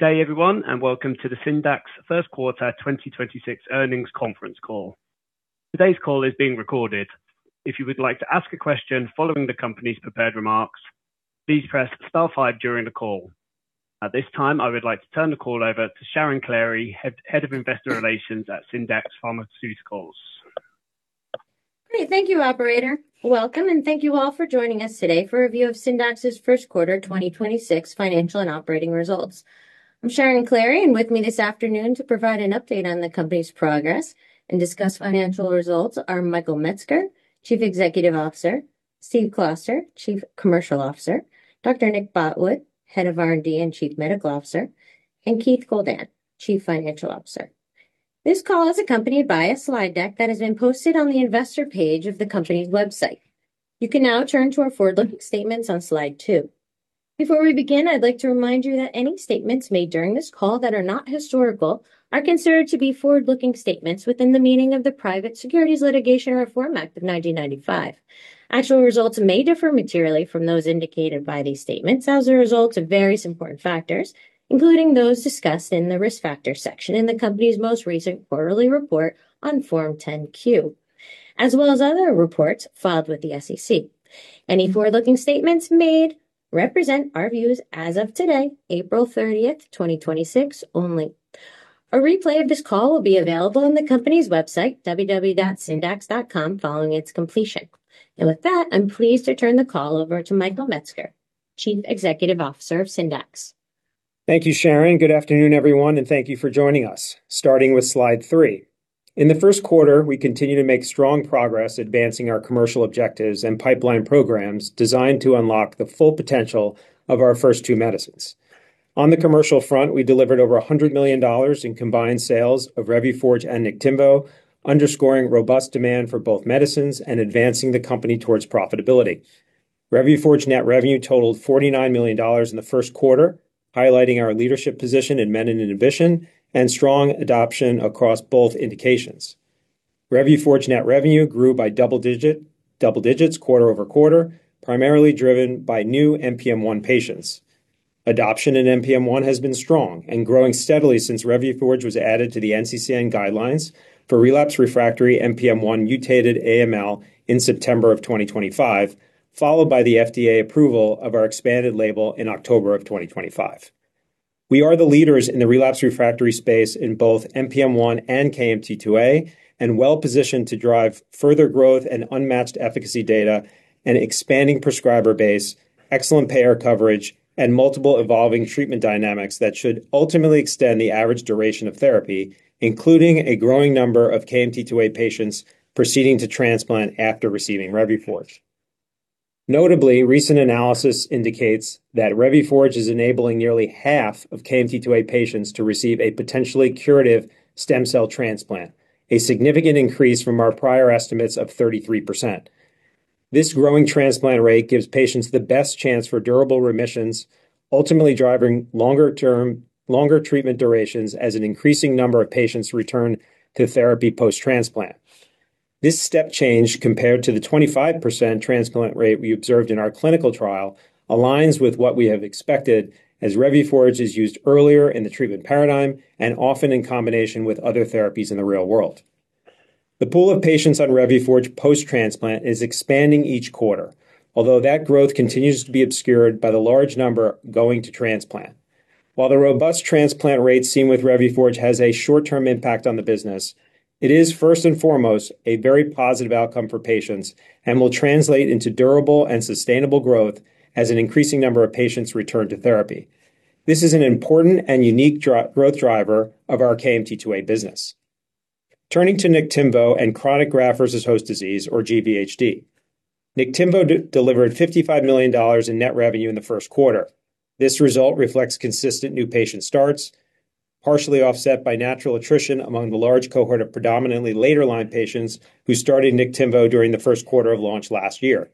Good day, everyone, welcome to the Syndax first quarter 2026 earnings conference call. Today's call is being recorded. If you would like to ask a question following the company's prepared remarks, please press star five during the call. At this time, I would like to turn the call over to Sharon Klahre, Head of Investor Relations at Syndax Pharmaceuticals. Great. Thank you, operator. Welcome, thank you all for joining us today for a view of Syndax's first quarter 2026 financial and operating results. I'm Sharon Klahre, with me this afternoon to provide an update on the company's progress and discuss financial results are Michael Metzger, Chief Executive Officer; Steve Closter, Chief Commercial Officer; Dr. Nick Botwood, Head of R&D and Chief Medical Officer; and Keith Goldan, Chief Financial Officer. This call is accompanied by a slide deck that has been posted on the Investor page of the company's website. You can now turn to our forward-looking statements on slide two. Before we begin, I'd like to remind you that any statements made during this call that are not historical are considered to be forward-looking statements within the meaning of the Private Securities Litigation Reform Act of 1995. Actual results may differ materially from those indicated by these statements as a result of various important factors, including those discussed in the Risk Factors section in the company's most recent quarterly report on Form 10-Q, as well as other reports filed with the SEC. Any forward-looking statements made represent our views as of today, April 30th, 2026, only. A replay of this call will be available on the company's website, www.syndax.com, following its completion. With that, I'm pleased to turn the call over to Michael Metzger, Chief Executive Officer of Syndax. Thank you, Sharon. Good afternoon, everyone, and thank you for joining us. Starting with slide three. In the first quarter, we continued to make strong progress advancing our commercial objectives and pipeline programs designed to unlock the full potential of our first two medicines. On the commercial front, we delivered over $100 million in combined sales of Revuforj and Niktimvo, underscoring robust demand for both medicines and advancing the company towards profitability. Revuforj net revenue totaled $49 million in the first quarter, highlighting our leadership position in menin inhibition and strong adoption across both indications. Revuforj net revenue grew by double digits quarter-over-quarter, primarily driven by new NPM1 patients. Adoption in NPM1 has been strong and growing steadily since Revuforj was added to the NCCN guidelines for relapsed/refractory NPM1 mutated AML in September of 2025, followed by the FDA approval of our expanded label in October of 2025. We are the leaders in the relapsed/refractory space in both NPM1 and KMT2A, and well-positioned to drive further growth and unmatched efficacy data and expanding prescriber base, excellent payer coverage, and multiple evolving treatment dynamics that should ultimately extend the average duration of therapy, including a growing number of KMT2A patients proceeding to transplant after receiving Revuforj. Notably, recent analysis indicates that Revuforj is enabling nearly half of KMT2A patients to receive a potentially curative stem cell transplant, a significant increase from our prior estimates of 33%. This growing transplant rate gives patients the best chance for durable remissions, ultimately driving longer treatment durations as an increasing number of patients return to therapy post-transplant. This step change, compared to the 25% transplant rate we observed in our clinical trial, aligns with what we have expected as Revuforj is used earlier in the treatment paradigm and often in combination with other therapies in the real world. The pool of patients on Revuforj post-transplant is expanding each quarter, although that growth continues to be obscured by the large number going to transplant. While the robust transplant rate seen with Revuforj has a short-term impact on the business, it is first and foremost a very positive outcome for patients and will translate into durable and sustainable growth as an increasing number of patients return to therapy. This is an important and unique growth driver of our KMT2A business. Turning to Niktimvo and chronic graft-versus-host disease, or GVHD. Niktimvo delivered $55 million in net revenue in the first quarter. This result reflects consistent new patient starts, partially offset by natural attrition among the large cohort of predominantly later-line patients who started Niktimvo during the first quarter of launch last year.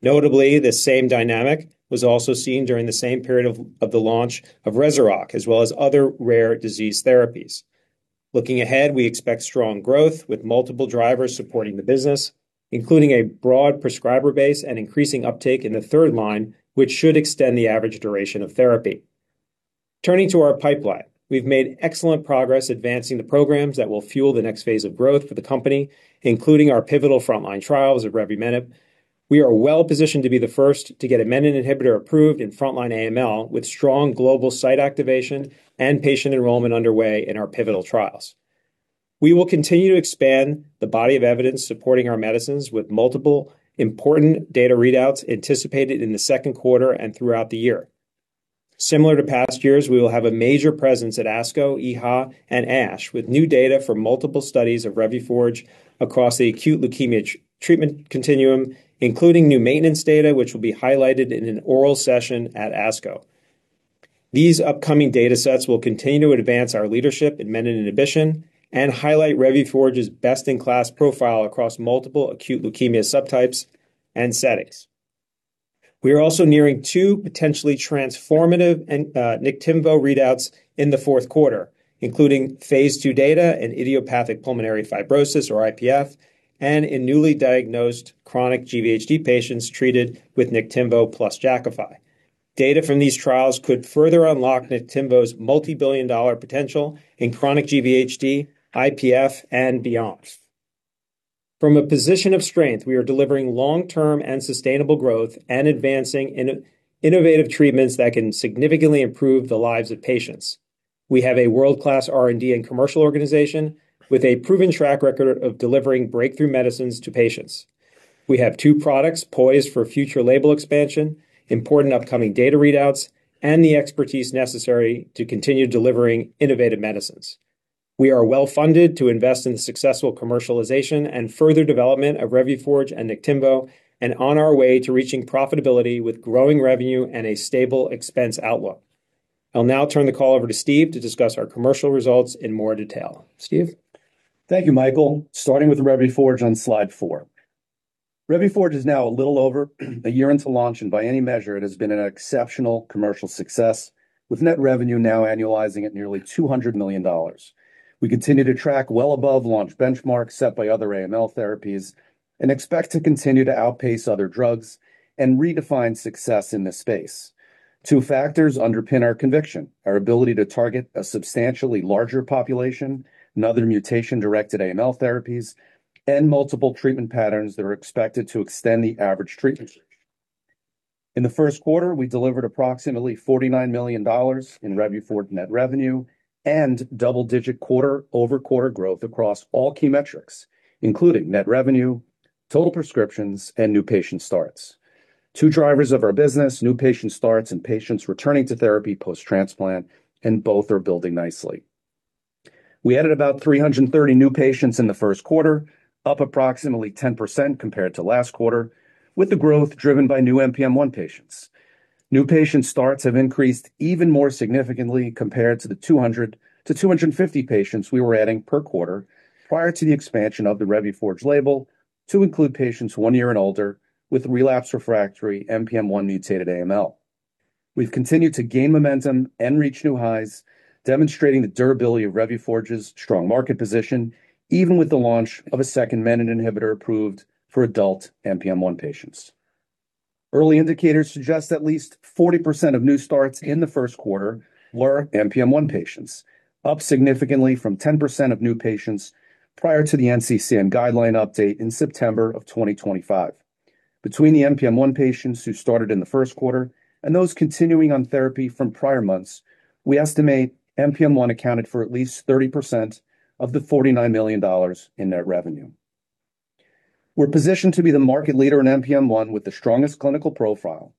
Notably, the same dynamic was also seen during the same period of the launch of Rezurock, as well as other rare disease therapies. Looking ahead, we expect strong growth with multiple drivers supporting the business, including a broad prescriber base and increasing uptake in the third line, which should extend the average duration of therapy. Turning to our pipeline. We've made excellent progress advancing the programs that will fuel the next phase of growth for the company, including our pivotal frontline trials of revumenib. We are well-positioned to be the first to get a menin inhibitor approved in frontline AML with strong global site activation and patient enrollment underway in our pivotal trials. We will continue to expand the body of evidence supporting our medicines with multiple important data readouts anticipated in the second quarter and throughout the year. Similar to past years, we will have a major presence at ASCO, EHA, and ASH with new data from multiple studies of Revuforj across the acute leukemia treatment continuum, including new maintenance data, which will be highlighted in an oral session at ASCO. These upcoming datasets will continue to advance our leadership in menin inhibition and highlight Revuforj's best-in-class profile across multiple acute leukemia subtypes and settings. We are also nearing two potentially transformative Niktimvo readouts in the fourth quarter. Including phase II data in idiopathic pulmonary fibrosis or IPF and in newly diagnosed chronic GVHD patients treated with Niktimvo plus Jakafi. Data from these trials could further unlock Niktimvo's multi-billion dollar potential in chronic GVHD, IPF, and beyond. From a position of strength, we are delivering long-term and sustainable growth and advancing innovative treatments that can significantly improve the lives of patients. We have a world-class R&D and commercial organization with a proven track record of delivering breakthrough medicines to patients. We have two products poised for future label expansion, important upcoming data readouts, and the expertise necessary to continue delivering innovative medicines. We are well-funded to invest in the successful commercialization and further development of Revuforj and Niktimvo, and on our way to reaching profitability with growing revenue and a stable expense outlook. I'll now turn the call over to Steve to discuss our commercial results in more detail. Steve? Thank you, Michael. Starting with Revuforj on slide four. Revuforj is now a little over a year into launch, and by any measure, it has been an exceptional commercial success, with net revenue now annualizing at nearly $200 million. We continue to track well above launch benchmarks set by other AML therapies and expect to continue to outpace other drugs and redefine success in this space. Two factors underpin our conviction, our ability to target a substantially larger population than other mutation-directed AML therapies and multiple treatment patterns that are expected to extend the average treatment. In the first quarter, we delivered approximately $49 million in Revuforj net revenue and double-digit quarter-over-quarter growth across all key metrics, including net revenue, total prescriptions, and new patient starts. Two drivers of our business, new patient starts and patients returning to therapy post-transplant, and both are building nicely. We added about 330 new patients in the first quarter, up approximately 10% compared to last quarter, with the growth driven by new NPM1 patients. New patient starts have increased even more significantly compared to the 200-250 patients we were adding per quarter prior to the expansion of the Revuforj label to include patients one year and older with relapsed/refractory NPM1-mutated AML. We've continued to gain momentum and reach new highs, demonstrating the durability of Revuforj's strong market position, even with the launch of a second menin inhibitor approved for adult NPM1 patients. Early indicators suggest at least 40% of new starts in the first quarter were NPM1 patients, up significantly from 10% of new patients prior to the NCCN guideline update in September 2025. Between the NPM1 patients who started in the first quarter and those continuing on therapy from prior months, we estimate NPM1 accounted for at least 30% of the $49 million in net revenue. We're positioned to be the market leader in NPM1 with the strongest clinical profile.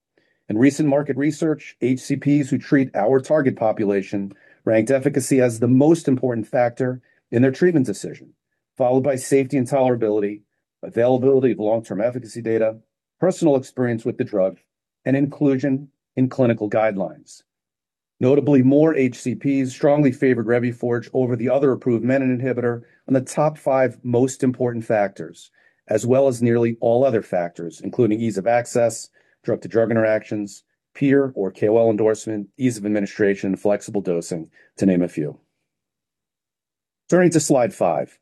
In recent market research, HCPs who treat our target population ranked efficacy as the most important factor in their treatment decision, followed by safety and tolerability, availability of long-term efficacy data, personal experience with the drug, and inclusion in clinical guidelines. Notably, more HCPs strongly favored Revuforj over the other approved menin inhibitor on the top five most important factors, as well as nearly all other factors, including ease of access, drug-to-drug interactions, peer or KOL endorsement, ease of administration, flexible dosing, to name a few. Turning to slide five.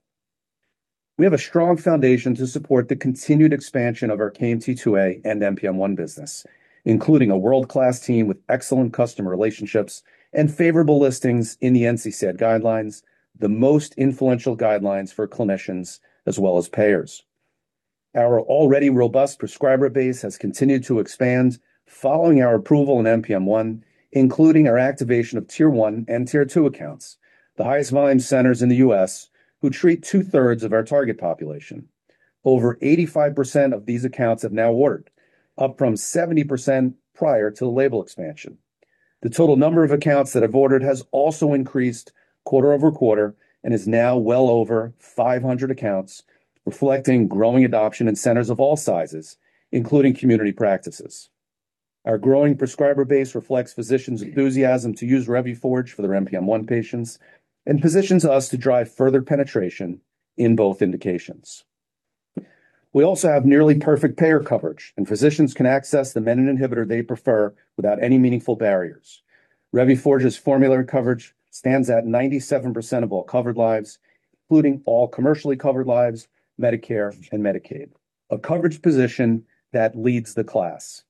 We have a strong foundation to support the continued expansion of our KMT2A and NPM1 business, including a world-class team with excellent customer relationships and favorable listings in the NCCN guidelines, the most influential guidelines for clinicians as well as payers. Our already robust prescriber base has continued to expand following our approval in NPM1, including our activation of Tier 1 and Tier 2 accounts, the highest volume centers in the U.S. who treat 2/3 of our target population. Over 85% of these accounts have now ordered, up from 70% prior to the label expansion. The total number of accounts that have ordered has also increased quarter-over-quarter and is now well over 500 accounts, reflecting growing adoption in centers of all sizes, including community practices. Our growing prescriber base reflects physicians' enthusiasm to use Revuforj for their NPM1 patients and positions us to drive further penetration in both indications. We also have nearly perfect payer coverage, and physicians can access the menin inhibitor they prefer without any meaningful barriers. Revuforj's formulary coverage stands at 97% of all covered lives, including all commercially covered lives, Medicare, and Medicaid, a coverage position that leads the class.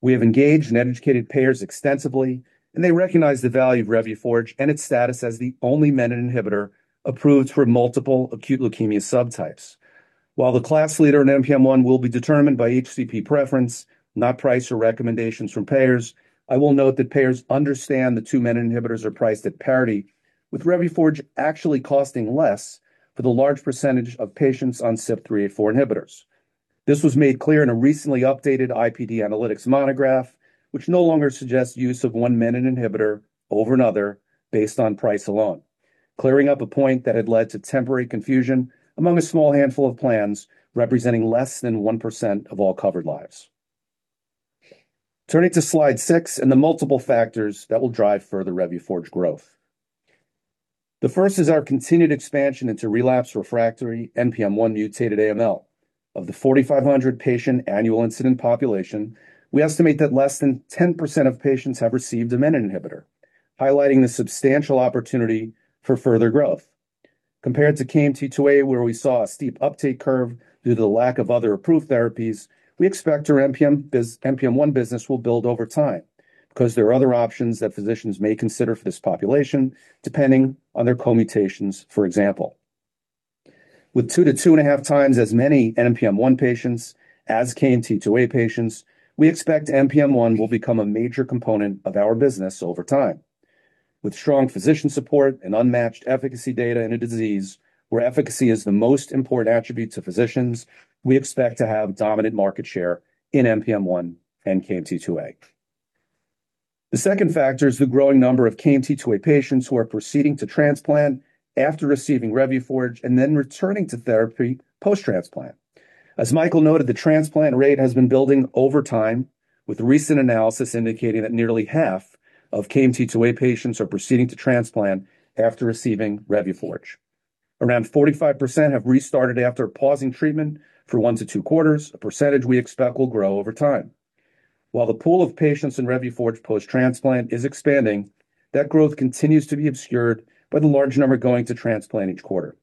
We have engaged and educated payers extensively, and they recognize the value of Revuforj and its status as the only menin inhibitor approved for multiple acute leukemia subtypes. While the class leader in NPM1 will be determined by HCP preference, not price or recommendations from payers, I will note that payers understand the two menin inhibitors are priced at parity, with Revuforj actually costing less for the large percentage of patients on CYP3A4 inhibitors. This was made clear in a recently updated IPD Analytics monograph, which no longer suggests use of one menin inhibitor over another based on price alone, clearing up a point that had led to temporary confusion among a small handful of plans representing less than 1% of all covered lives. Turning to slide six and the multiple factors that will drive further Revuforj growth. The first is our continued expansion into relapsed/refractory NPM1-mutated AML. Of the 4,500 patient annual incident population, we estimate that less than 10% of patients have received a menin inhibitor, highlighting the substantial opportunity for further growth. Compared to KMT2A, where we saw a steep uptake curve due to the lack of other approved therapies, we expect our NPM1 business will build over time because there are other options that physicians may consider for this population, depending on their co-mutations, for example. With 2x to 2.5x as many NPM1 patients as KMT2A patients, we expect NPM1 will become a major component of our business over time. With strong physician support and unmatched efficacy data in a disease where efficacy is the most important attribute to physicians, we expect to have dominant market share in NPM1 and KMT2A. The second factor is the growing number of KMT2A patients who are proceeding to transplant after receiving Revuforj and then returning to therapy post-transplant. As Michael noted, the transplant rate has been building over time, with recent analysis indicating that nearly half of KMT2A patients are proceeding to transplant after receiving Revuforj. Around 45% have restarted after pausing treatment for one to two quarters, a percentage we expect will grow over time. While the pool of patients in Revuforj post-transplant is expanding, that growth continues to be obscured by the large number going to transplant each quarter.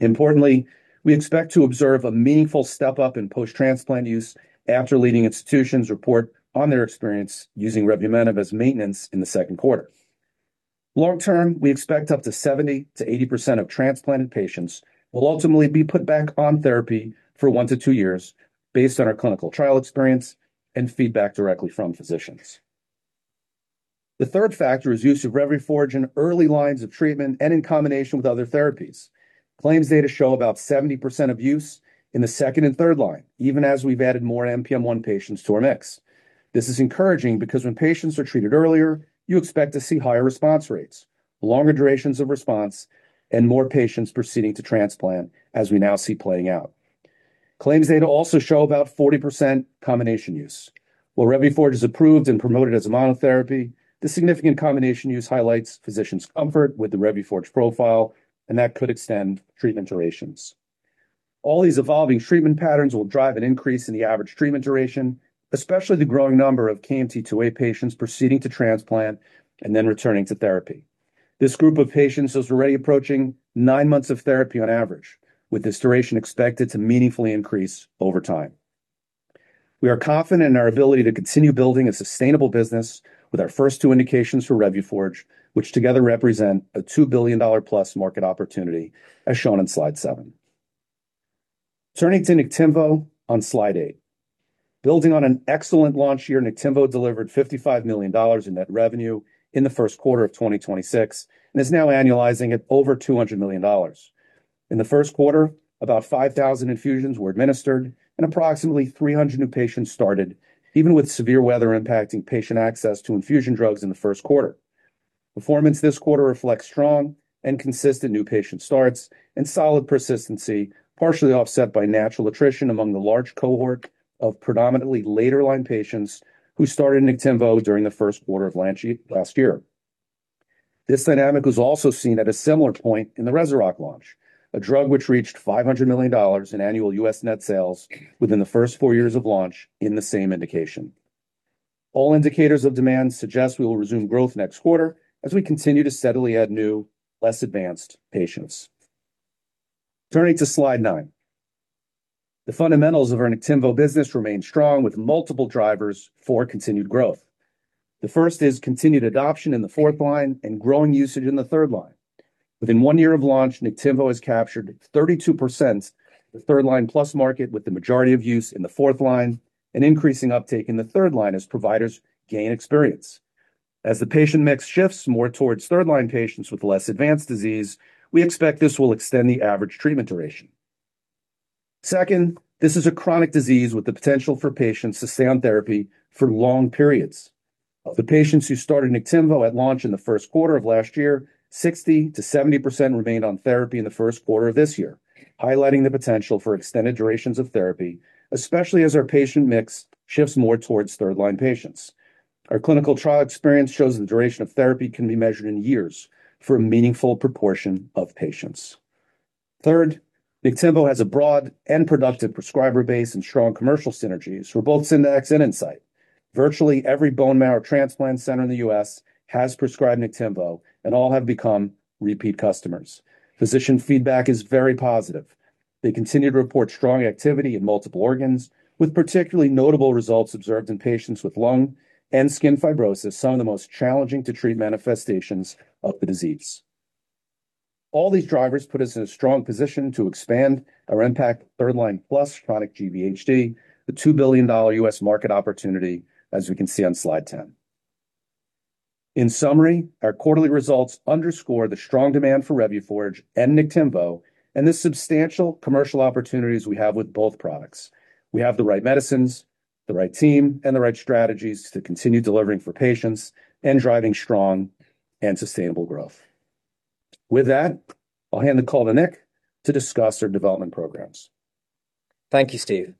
Importantly, we expect to observe a meaningful step up in post-transplant use after leading institutions report on their experience using revumenib as maintenance in the second quarter. Long-term, we expect up to 70%-80% of transplanted patients will ultimately be put back on therapy for one to two years based on our clinical trial experience and feedback directly from physicians. The third factor is use of Revuforj in early lines of treatment and in combination with other therapies. Claims data show about 70% of use in the second and third line, even as we've added more NPM1 patients to our mix. This is encouraging because when patients are treated earlier, you expect to see higher response rates, longer durations of response, and more patients proceeding to transplant, as we now see playing out. Claims data also show about 40% combination use. While Revuforj is approved and promoted as a monotherapy, the significant combination use highlights physicians' comfort with the Revuforj profile, and that could extend treatment durations. All these evolving treatment patterns will drive an increase in the average treatment duration, especially the growing number of KMT2A patients proceeding to transplant and then returning to therapy. This group of patients is already approaching nine months of therapy on average, with this duration expected to meaningfully increase over time. We are confident in our ability to continue building a sustainable business with our first two indications for Revuforj, which together represent a $2 billion-plus market opportunity, as shown in slide seven. Turning to Niktimvo on slide eight. Building on an excellent launch year, Niktimvo delivered $55 million in net revenue in the first quarter of 2026 and is now annualizing at over $200 million. In the first quarter, about 5,000 infusions were administered and approximately 300 new patients started, even with severe weather impacting patient access to infusion drugs in the first quarter. Performance this quarter reflects strong and consistent new patient starts and solid persistency, partially offset by natural attrition among the large cohort of predominantly later line patients who started Niktimvo during the first quarter of launch last year. This dynamic was also seen at a similar point in the Rezurock launch, a drug which reached $500 million in annual U.S. net sales within the first four years of launch in the same indication. All indicators of demand suggest we will resume growth next quarter as we continue to steadily add new, less advanced patients. Turning to slide nine. The fundamentals of our Niktimvo business remain strong with multiple drivers for continued growth. The first is continued adoption in the fourth line and growing usage in the third line. Within one year of launch, Niktimvo has captured 32% the third line plus market with the majority of use in the fourth line and increasing uptake in the third line as providers gain experience. As the patient mix shifts more towards third-line patients with less advanced disease, we expect this will extend the average treatment duration. Second, this is a chronic disease with the potential for patients to stay on therapy for long periods. Of the patients who started Niktimvo at launch in the first quarter of last year, 60%-70% remained on therapy in the first quarter of this year, highlighting the potential for extended durations of therapy, especially as our patient mix shifts more towards third-line patients. Our clinical trial experience shows the duration of therapy can be measured in years for a meaningful proportion of patients. Third, Niktimvo has a broad and productive prescriber base and strong commercial synergies for both Syndax and Incyte. Virtually every bone marrow transplant center in the U.S. has prescribed Niktimvo, and all have become repeat customers. Physician feedback is very positive. They continue to report strong activity in multiple organs, with particularly notable results observed in patients with lung and skin fibrosis, some of the most challenging to treat manifestations of the disease. All these drivers put us in a strong position to expand our impact third line plus chronic GVHD, the $2 billion U.S. market opportunity, as we can see on slide 10. In summary, our quarterly results underscore the strong demand for Revuforj and Niktimvo and the substantial commercial opportunities we have with both products. We have the right medicines, the right team, and the right strategies to continue delivering for patients and driving strong and sustainable growth. With that, I'll hand the call to Nick to discuss our development programs. Thank you, Steve.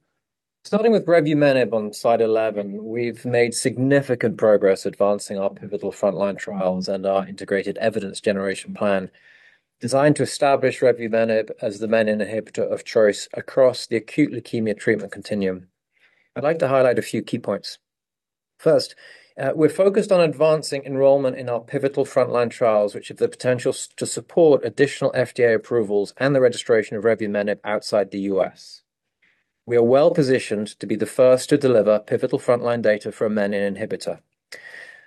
Starting with revumenib on slide 11, we've made significant progress advancing our pivotal frontline trials and our integrated evidence generation plan designed to establish revumenib as the menin inhibitor of choice across the acute leukemia treatment continuum. I'd like to highlight a few key points. First, we're focused on advancing enrollment in our pivotal frontline trials, which have the potential to support additional FDA approvals and the registration of revumenib outside the U.S. We are well-positioned to be the first to deliver pivotal frontline data for a menin inhibitor.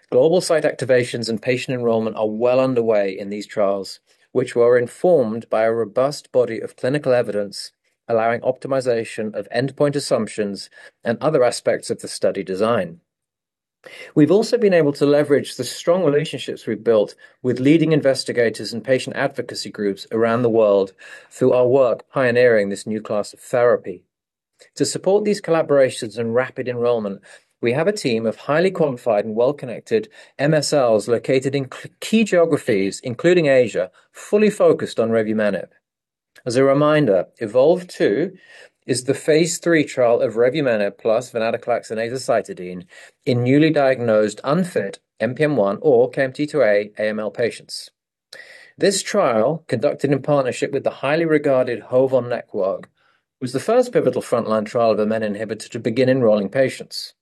Global site activations and patient enrollment are well underway in these trials, which were informed by a robust body of clinical evidence, allowing optimization of endpoint assumptions and other aspects of the study design. We've also been able to leverage the strong relationships we've built with leading investigators and patient advocacy groups around the world through our work pioneering this new class of therapy. To support these collaborations and rapid enrollment, we have a team of highly qualified and well-connected MSLs located in key geographies, including Asia, fully focused on revumenib. As a reminder, EVOLVE-2 is the phase III trial of revumenib plus venetoclax and azacitidine in newly diagnosed unfit NPM1 or KMT2A AML patients. This trial, conducted in partnership with the highly regarded HOVON Network, was the first pivotal frontline trial of a menin inhibitor to begin enrolling patients.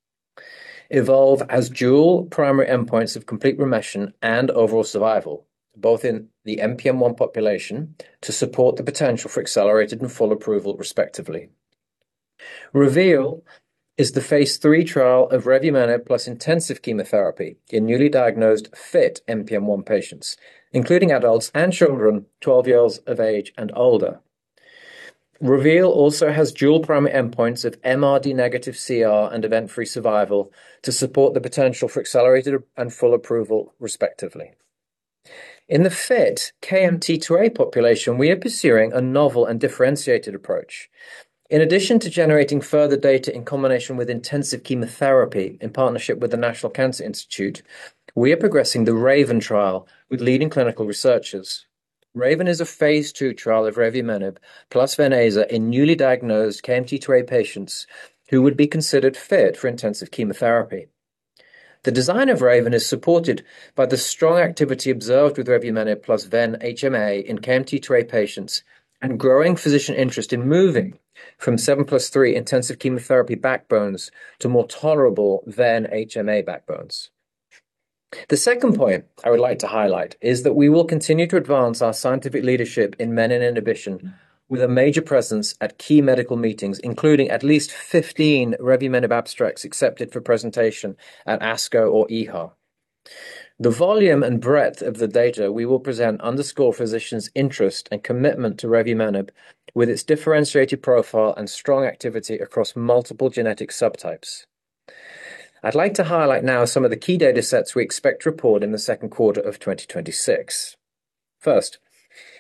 EVOLVE-2 has dual primary endpoints of complete remission and overall survival, both in the NPM1 population to support the potential for accelerated and full approval respectively. REVEAL is the phase III trial of revumenib plus intensive chemotherapy in newly diagnosed fit NPM1 patients, including adults and children 12 years of age and older. REVEAL also has dual primary endpoints of MRD negative CR and event-free survival to support the potential for accelerated and full approval respectively. In the fit KMT2A population, we are pursuing a novel and differentiated approach. In addition to generating further data in combination with intensive chemotherapy in partnership with the National Cancer Institute, we are progressing the RAVEN trial with leading clinical researchers. RAVEN is a phase II trial of revumenib plus Ven/Aza in newly diagnosed KMT2A patients who would be considered fit for intensive chemotherapy. The design of RAVEN is supported by the strong activity observed with revumenib plus ven-HMA in KMT2A patients and growing physician interest in moving from 7+3 intensive chemotherapy backbones to more tolerable ven-HMA backbones. The second point I would like to highlight is that we will continue to advance our scientific leadership in menin inhibition with a major presence at key medical meetings, including at least 15 revumenib abstracts accepted for presentation at ASCO or EHA. The volume and breadth of the data we will present underscore physicians' interest and commitment to revumenib with its differentiated profile and strong activity across multiple genetic subtypes. I'd like to highlight now some of the key datasets we expect to report in the second quarter of 2026. First,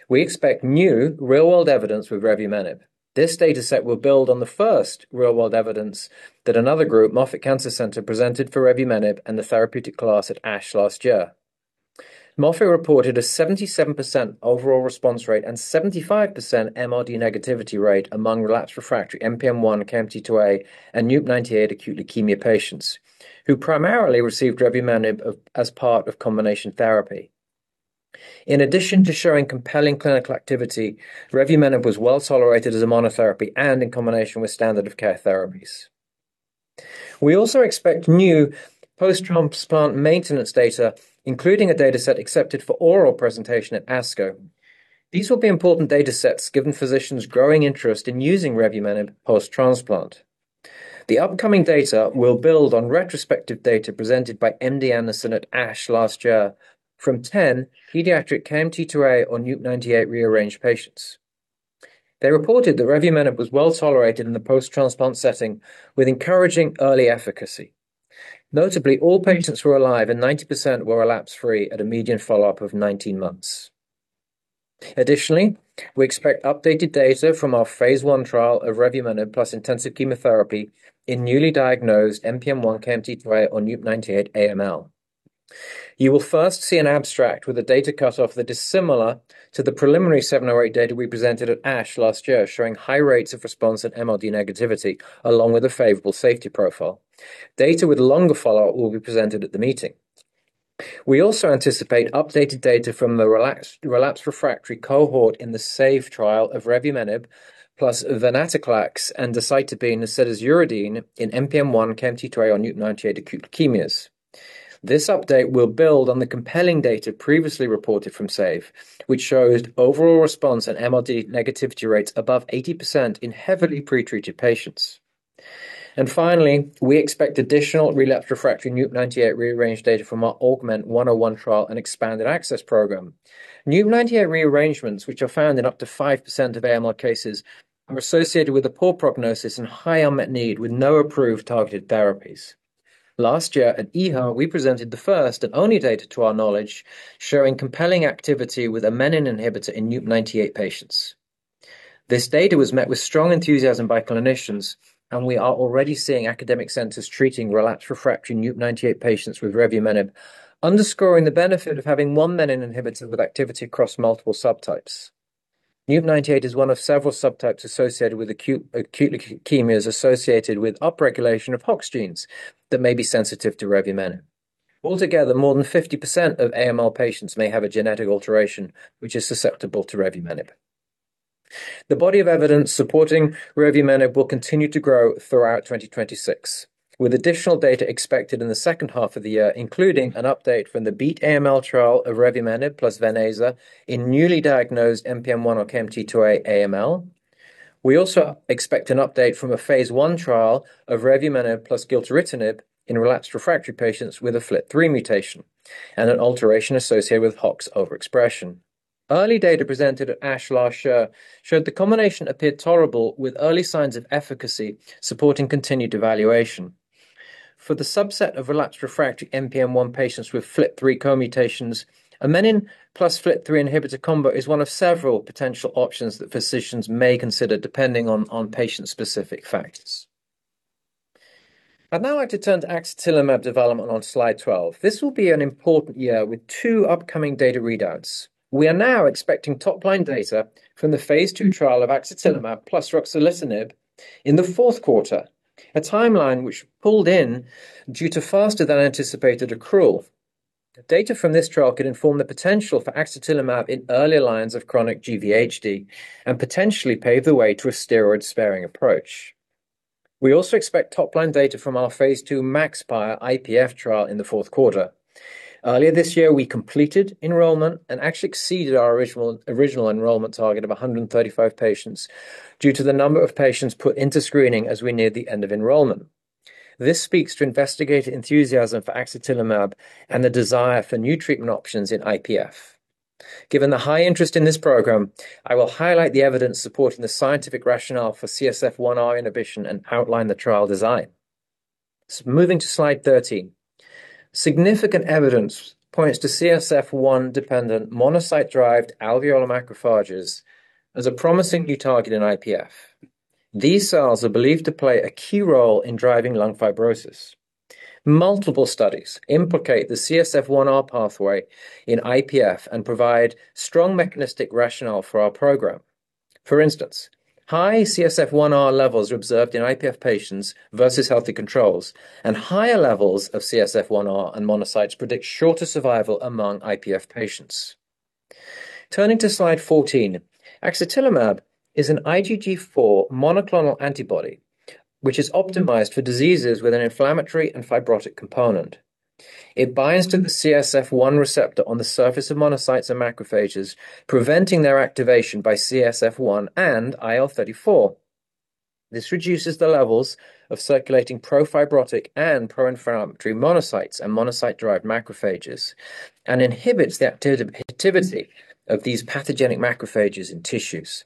we expect new real-world evidence with revumenib. This dataset will build on the first real-world evidence that another group, Moffitt Cancer Center, presented for revumenib and the therapeutic class at ASH last year. Moffitt reported a 77% overall response rate and 75% MRD negativity rate among relapsed/refractory NPM1, KMT2A, and NUP98 acute leukemia patients who primarily received revumenib as part of combination therapy. In addition to showing compelling clinical activity, revumenib was well-tolerated as a monotherapy and in combination with standard-of-care therapies. We also expect new post-transplant maintenance data, including a dataset accepted for oral presentation at ASCO. These will be important datasets given physicians' growing interest in using revumenib post-transplant. The upcoming data will build on retrospective data presented by MD Anderson at ASH last year from 10 pediatric KMT2A or NUP98-rearranged patients. They reported that revumenib was well-tolerated in the post-transplant setting with encouraging early efficacy. Notably, all patients were alive and 90% were relapse-free at a median follow-up of 19 months. Additionally, we expect updated data from our phase I trial of revumenib plus intensive chemotherapy in newly diagnosed NPM1, KMT2A, or NUP98 AML. You will first see an abstract with a data cutoff that is similar to the preliminary seven or eight data we presented at ASH last year, showing high rates of response and MRD negativity along with a favorable safety profile. Data with longer follow will be presented at the meeting. We also anticipate updated data from the relapsed/refractory cohort in the SAVE trial of revumenib plus venetoclax and decitabine as well as azacitidine in NPM1, KMT2A, or NUP98 acute leukemias. This update will build on the compelling data previously reported from SAVE, which shows overall response and MRD negativity rates above 80% in heavily pretreated patients. Finally, we expect additional relapsed/refractory NUP98 rearranged data from our AUGMENT-101 trial and expanded access program. NUP98 rearrangements, which are found in up to 5% of AML cases, are associated with a poor prognosis and high unmet need with no approved targeted therapies. Last year at EHA, we presented the first and only data to our knowledge showing compelling activity with a menin inhibitor in NUP98 patients. This data was met with strong enthusiasm by clinicians. We are already seeing academic centers treating relapsed/refractory NUP98 patients with revumenib, underscoring the benefit of having one menin inhibitor with activity across multiple subtypes. NUP98 is one of several subtypes associated with acute leukemias associated with upregulation of HOX genes that may be sensitive to revumenib. Altogether, more than 50% of AML patients may have a genetic alteration which is susceptible to revumenib. The body of evidence supporting revumenib will continue to grow throughout 2026, with additional data expected in the second half of the year, including an update from the BEAT AML trial of revumenib plus Ven/Aza in newly diagnosed NPM1 or KMT2A AML. We also expect an update from a phase I trial of revumenib plus gilteritinib in relapsed/refractory patients with a FLT3 mutation and an alteration associated with HOX overexpression. Early data presented at ASH last year showed the combination appeared tolerable with early signs of efficacy, supporting continued evaluation. For the subset of relapsed/refractory NPM1 patients with FLT3 co-mutations, a menin plus FLT3 inhibitor combo is one of several potential options that physicians may consider depending on patient-specific factors. I'd now like to turn to axatilimab development on slide 12. This will be an important year with two upcoming data readouts. We are now expecting top-line data from the phase II trial of axatilimab plus ruxolitinib in the fourth quarter, a timeline which pulled in due to faster than anticipated accrual. Data from this trial could inform the potential for axatilimab in earlier lines of chronic GVHD and potentially pave the way to a steroid-sparing approach. We also expect top-line data from our phase II MAXPIRe IPF trial in the fourth quarter. Earlier this year, we completed enrollment and actually exceeded our original enrollment target of 135 patients due to the number of patients put into screening as we neared the end of enrollment. This speaks to investigator enthusiasm for axatilimab and the desire for new treatment options in IPF. Given a high interest in this program, I will highlight the evidence support in the scientific rational for CSF1R inhibitions and outline the trial design. Moving to slide 13. Significant evidence points to CSF1-dependent monocyte-derived alveolar macrophages as a promising new target in IPF. These cells are believed to play a key role in driving lung fibrosis. Multiple studies implicate the CSF1R pathway in IPF and provide strong mechanistic rationale for our program. For instance, high CSF1R levels are observed in IPF patients versus healthy controls, and higher levels of CSF1R and monocytes predict shorter survival among IPF patients. Turning to slide 14. Axatilimab is an IgG4 monoclonal antibody which is optimized for diseases with an inflammatory and fibrotic component. It binds to the CSF1 receptor on the surface of monocytes and macrophages, preventing their activation by CSF1 and IL-34. This reduces the levels of circulating pro-fibrotic and pro-inflammatory monocytes and monocyte-derived macrophages and inhibits the activity of these pathogenic macrophages in tissues.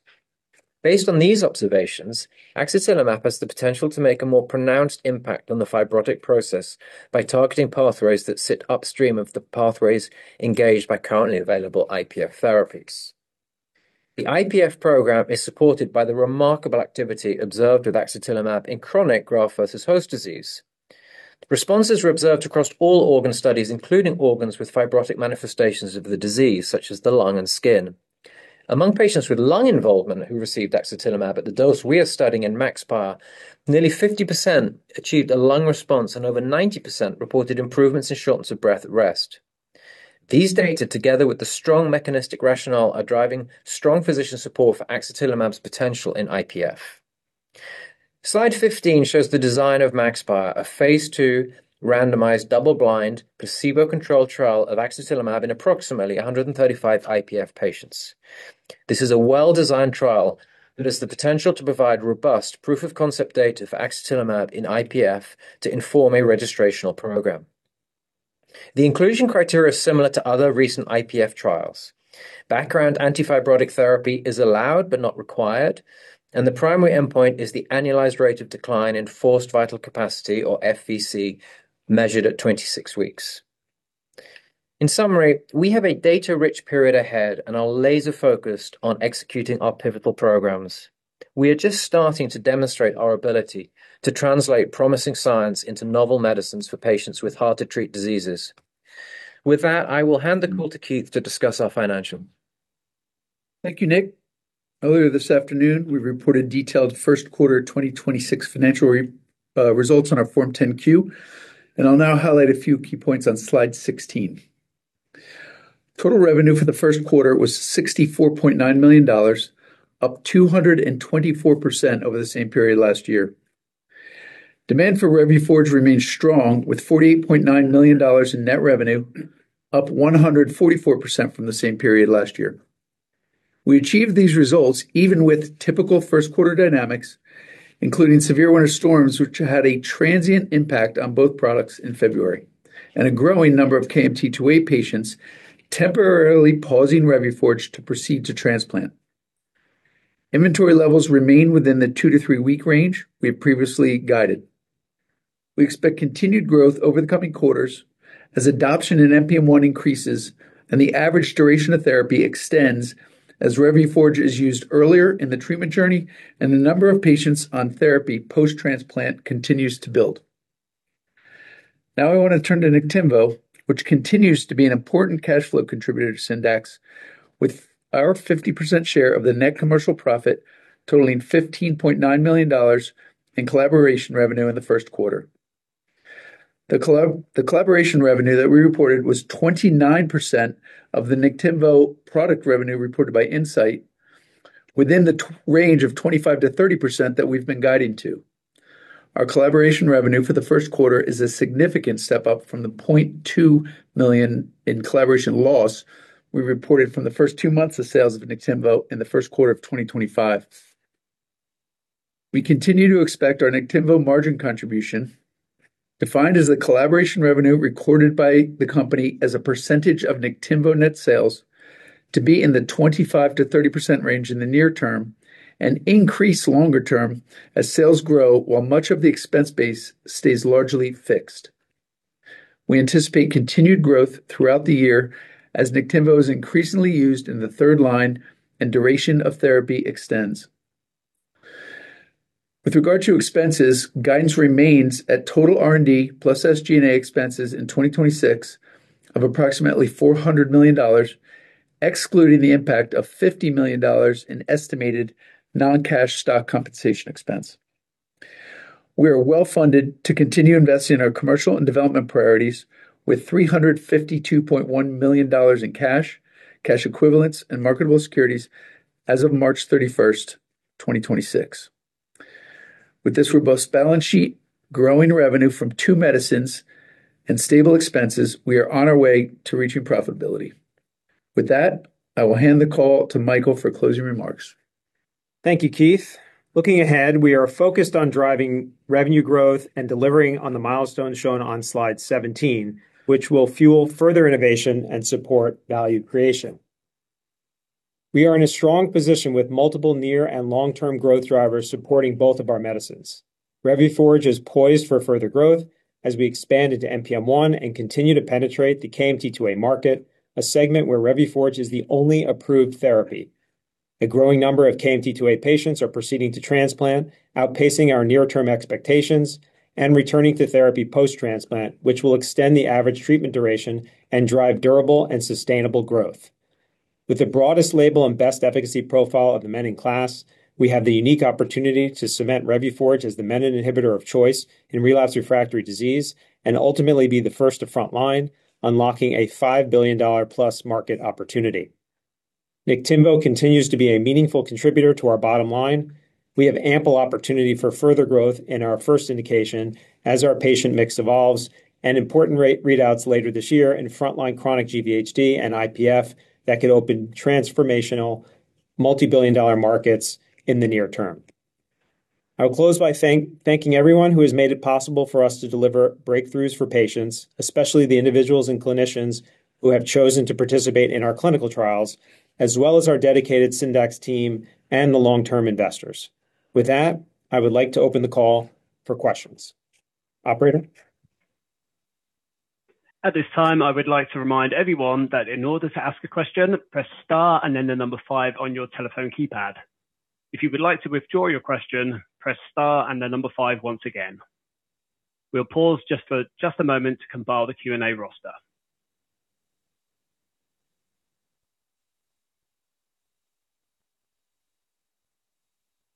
Based on these observations, axatilimab has the potential to make a more pronounced impact on the fibrotic process by targeting pathways that sit upstream of the pathways engaged by currently available IPF therapies. The IPF program is supported by the remarkable activity observed with axatilimab in chronic graft-versus-host disease. Responses were observed across all organ studies, including organs with fibrotic manifestations of the disease, such as the lung and skin. Among patients with lung involvement who received axatilimab at the dose we are studying in MAXPIRe, nearly 50% achieved a lung response and over 90% reported improvements in shortness of breath at rest. These data, together with the strong mechanistic rationale, are driving strong physician support for axatilimab's potential in IPF. Slide 15 shows the design of MAXPIRe, a phase II randomized, double-blind, placebo-controlled trial of axatilimab in approximately 135 IPF patients. This is a well-designed trial that has the potential to provide robust proof-of-concept data for axatilimab in IPF to inform a registrational program. The inclusion criteria is similar to other recent IPF trials. Background anti-fibrotic therapy is allowed but not required, and the primary endpoint is the annualized rate of decline in forced vital capacity, or FVC, measured at 26 weeks. In summary, we have a data-rich period ahead and are laser-focused on executing our pivotal programs. We are just starting to demonstrate our ability to translate promising science into novel medicines for patients with hard-to-treat diseases. With that, I will hand the call to Keith to discuss our financials. Thank you, Nick. Earlier this afternoon, we reported detailed first quarter 2026 financial results on our Form 10-Q, and I'll now highlight a few key points on slide 16. Total revenue for the first quarter was $64.9 million, up 224% over the same period last year. Demand for Revuforj remains strong with $48.9 million in net revenue, up 144% from the same period last year. We achieved these results even with typical first quarter dynamics, including severe winter storms, which had a transient impact on both products in February, and a growing number of KMT2A patients temporarily pausing Revuforj to proceed to transplant. Inventory levels remain within the two to three-week range we have previously guided. We expect continued growth over the coming quarters as adoption in NPM1 increases and the average duration of therapy extends as Revuforj is used earlier in the treatment journey and the number of patients on therapy post-transplant continues to build. Now I want to turn to Niktimvo, which continues to be an important cash flow contributor to Syndax with our 50% share of the net commercial profit totaling $15.9 million in collaboration revenue in the first quarter. The collaboration revenue that we reported was 29% of the Niktimvo product revenue reported by Incyte within the range of 25%-30% that we've been guiding to. Our collaboration revenue for the first quarter is a significant step-up from the $0.2 million in collaboration loss we reported from the first two months of sales of Niktimvo in the first quarter of 2025. We continue to expect our Niktimvo margin contribution, defined as a collaboration revenue recorded by the company as a percentage of Niktimvo net sales, to be in the 25%-30% range in the near term and increase longer term as sales grow while much of the expense base stays largely fixed. We anticipate continued growth throughout the year as Niktimvo is increasingly used in the third line and duration of therapy extends. With regard to expenses, guidance remains at total R&D plus SG&A expenses in 2026 of approximately $400 million, excluding the impact of $50 million in estimated non-cash stock compensation expense. We are well-funded to continue investing in our commercial and development priorities with $352.1 million in cash equivalents, and marketable securities as of March 31st, 2026. With this robust balance sheet, growing revenue from two medicines, and stable expenses, we are on our way to reaching profitability. With that, I will hand the call to Michael for closing remarks. Thank you, Keith. Looking ahead, we are focused on driving revenue growth and delivering on the milestones shown on slide 17, which will fuel further innovation and support value creation. We are in a strong position with multiple near and long-term growth drivers supporting both of our medicines. Revuforj is poised for further growth as we expand into NPM1 and continue to penetrate the KMT2A market, a segment where Revuforj is the only approved therapy. A growing number of KMT2A patients are proceeding to transplant, outpacing our near-term expectations and returning to therapy post-transplant, which will extend the average treatment duration and drive durable and sustainable growth. With the broadest label and best efficacy profile of the menin class, we have the unique opportunity to cement Revuforj as the menin inhibitor of choice in relapse refractory disease and ultimately be the first to frontline, unlocking a $5 billion-plus market opportunity. Niktimvo continues to be a meaningful contributor to our bottom line. We have ample opportunity for further growth in our first indication as our patient mix evolves and important rate readouts later this year in frontline chronic GVHD and IPF that could open transformational multibillion-dollar markets in the near term. I will close by thanking everyone who has made it possible for us to deliver breakthroughs for patients, especially the individuals and clinicians who have chosen to participate in our clinical trials, as well as our dedicated Syndax team and the long-term investors. With that, I would like to open the call for questions. Operator? At this time, I would like to remind everyone that in order to ask a question, press star and then the five on your telephone keypad. If you would like to withdraw your question, press star and the five once again. We'll pause just a moment to compile the Q&A roster.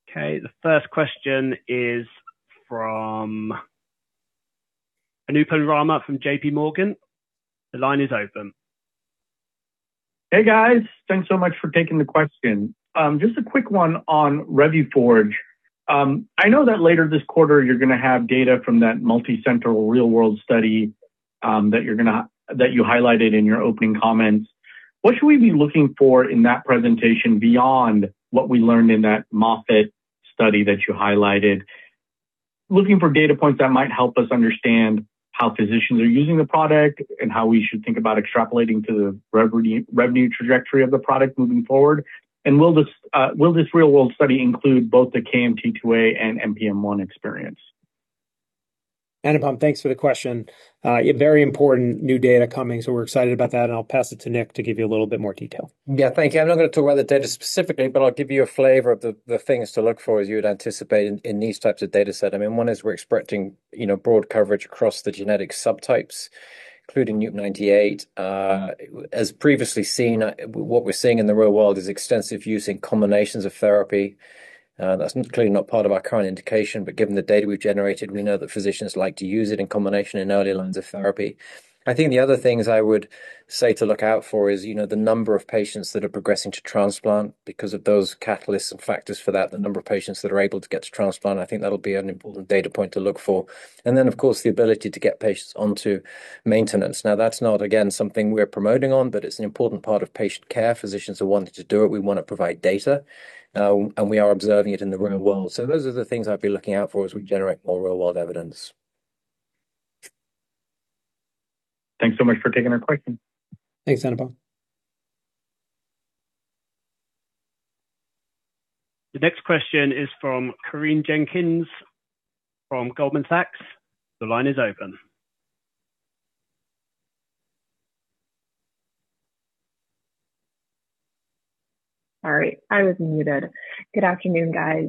Okay, the first question is from Anupam Rama from JPMorgan. The line is open. Hey, guys. Thanks so much for taking the question. Just a quick one on Revuforj. I know that later this quarter you're gonna have data from that multi-center real-world study that you highlighted in your opening comments. What should we be looking for in that presentation beyond what we learned in that Moffitt study that you highlighted? Looking for data points that might help us understand how physicians are using the product and how we should think about extrapolating to the revenue trajectory of the product moving forward. Will this real-world study include both the KMT2A and NPM1 experience? Anupam, thanks for the question. Yeah, very important new data coming, so we're excited about that, and I'll pass it to Nick to give you a little bit more detail. Yeah. Thank you. I'm not gonna talk about the data specifically, but I'll give you a flavor of the things to look for as you would anticipate in these types of dataset. I mean, one is we're expecting, you know, broad coverage across the genetic subtypes, including NUP98. As previously seen, what we're seeing in the real world is extensive use in combinations of therapy. That's clearly not part of our current indication, but given the data we've generated, we know that physicians like to use it in combination in early lines of therapy. I think the other things I would say to look out for is, you know, the number of patients that are progressing to transplant because of those catalysts and factors for that, the number of patients that are able to get to transplant. I think that'll be an important data point to look for. Of course, the ability to get patients onto maintenance. Now, that's not, again, something we're promoting on, but it's an important part of patient care. Physicians are wanting to do it. We wanna provide data, we are observing it in the real world. Those are the things I'd be looking out for as we generate more real-world evidence. Thanks so much for taking our question. Thanks, Anupam. The next question is from Corinne Jenkins from Goldman Sachs. The line is open. Sorry, I was muted. Good afternoon, guys.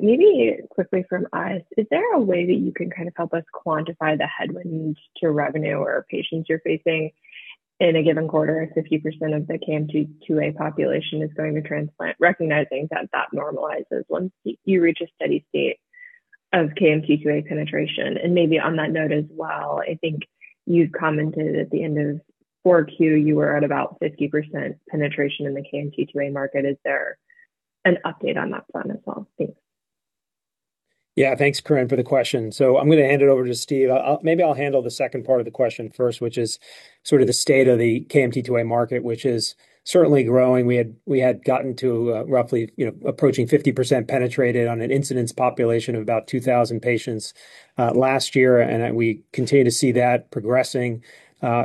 Maybe quickly from us, is there a way that you can kind of help us quantify the headwinds to revenue or patients you're facing in a given quarter if 50% of the KMT2A population is going to transplant, recognizing that that normalizes once you reach a steady state of KMT2A penetration? Maybe on that note as well, I think you commented at the end of four Q, you were at about 50% penetration in the KMT2A market. Is there an update on that front as well? Thanks. Thanks, Corinne, for the question. I'm gonna hand it over to Steve. Maybe I'll handle the second part of the question first, which is sort of the state of the KMT2A market, which is certainly growing. We had gotten to, roughly, you know, approaching 50% penetrated on an incidence population of about 2,000 patients, last year, and we continue to see that progressing.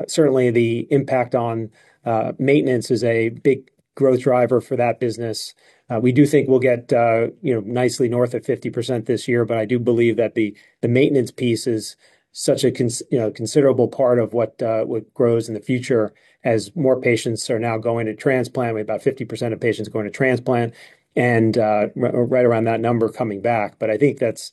Certainly the impact on maintenance is a big growth driver for that business. We do think we'll get, you know, nicely north of 50% this year, but I do believe that the maintenance piece is such a you know, considerable part of what grows in the future as more patients are now going to transplant. We have about 50% of patients going to transplant and right around that number coming back. I think that's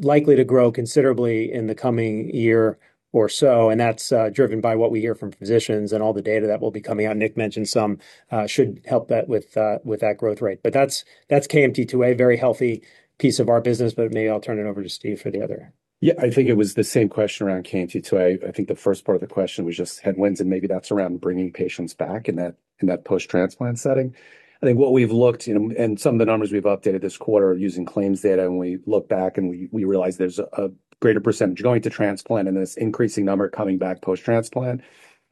likely to grow considerably in the coming year or so, and that's driven by what we hear from physicians and all the data that will be coming out. Nick mentioned some should help that with that growth rate. That's, that's KMT2A, very healthy piece of our business. Maybe I'll turn it over to Steve for the other. Yeah. I think it was the same question around KMT2A. I think the first part of the question was just headwinds, and maybe that's around bringing patients back in that post-transplant setting. I think what we've looked, and some of the numbers we've updated this quarter are using claims data, and we look back and we realize there's a greater percentage going to transplant and this increasing number coming back post-transplant.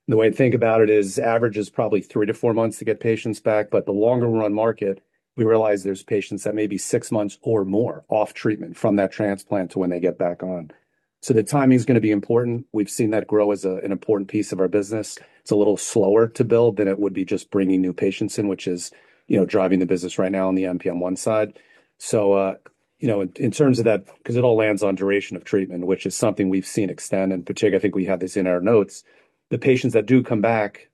The way to think about it is average is probably three to four months to get patients back, but the longer run market, we realize there's patients that may be six months or more off treatment from that transplant to when they get back on. The timing's gonna be important. We've seen that grow as an important piece of our business. It's a little slower to build than it would be just bringing new patients in, which is, you know, driving the business right now on the NPM1 side. You know, in terms of that, because it all lands on duration of treatment, which is something we've seen extend, and I think we had this in our notes. The patients that do come back,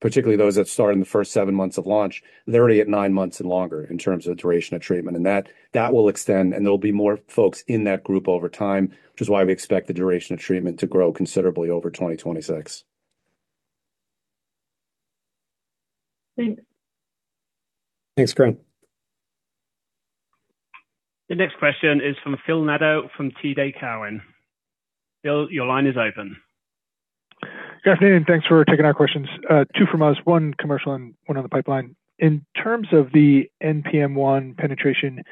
particularly those that start in the first seven months of launch, they're already at nine months and longer in terms of duration of treatment. That, that will extend, and there'll be more folks in that group over time, which is why we expect the duration of treatment to grow considerably over 2026. Thanks. Thanks, Corinne. The next question is from Phil Nadeau from TD Cowen. Phil, your line is open. Good afternoon. Thanks for taking our questions. Two from us, one commercial and one on the pipeline. In terms of the NPM1 penetration,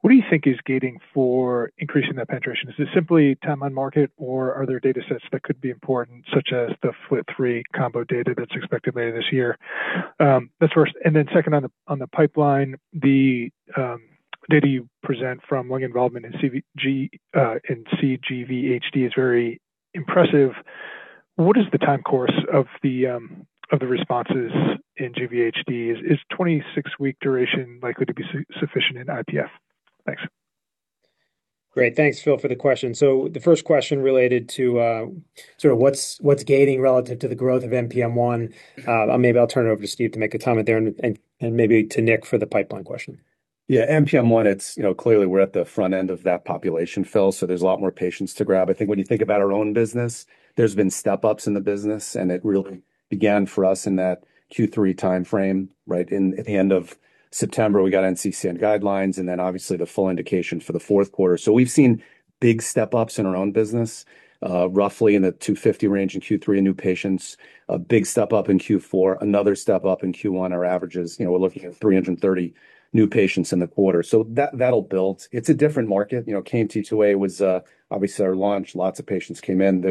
what do you think is gating for increasing that penetration? Is this simply time on market, or are there datasets that could be important, such as the FLT3 combo data that's expected later this year? That's first. Second, on the pipeline, the data you present from lung involvement in cGVHD is very impressive. What is the time course of the responses in GVHD? Is 26-week duration likely to be sufficient in IPF? Thanks. Great. Thanks, Phil, for the question. The first question related to sort of what's gating relative to the growth of NPM1, maybe I'll turn it over to Steve to make a comment there and maybe to Nick for the pipeline question. Yeah. NPM1, it's, you know, clearly we're at the front end of that population, Phil, there's a lot more patients to grab. I think when you think about our own business, there's been step-ups in the business, it really began for us in that Q3 timeframe, right? At the end of September, we got NCCN guidelines then obviously the full indication for the fourth quarter. We've seen big step-ups in our own business, roughly in the 250 range in Q3 of new patients. A big step up in Q4, another step up in Q1. Our average is, you know, we're looking at 330 new patients in the quarter. That'll build. It's a different market. You know, KMT2A was obviously our launch. Lots of patients came in.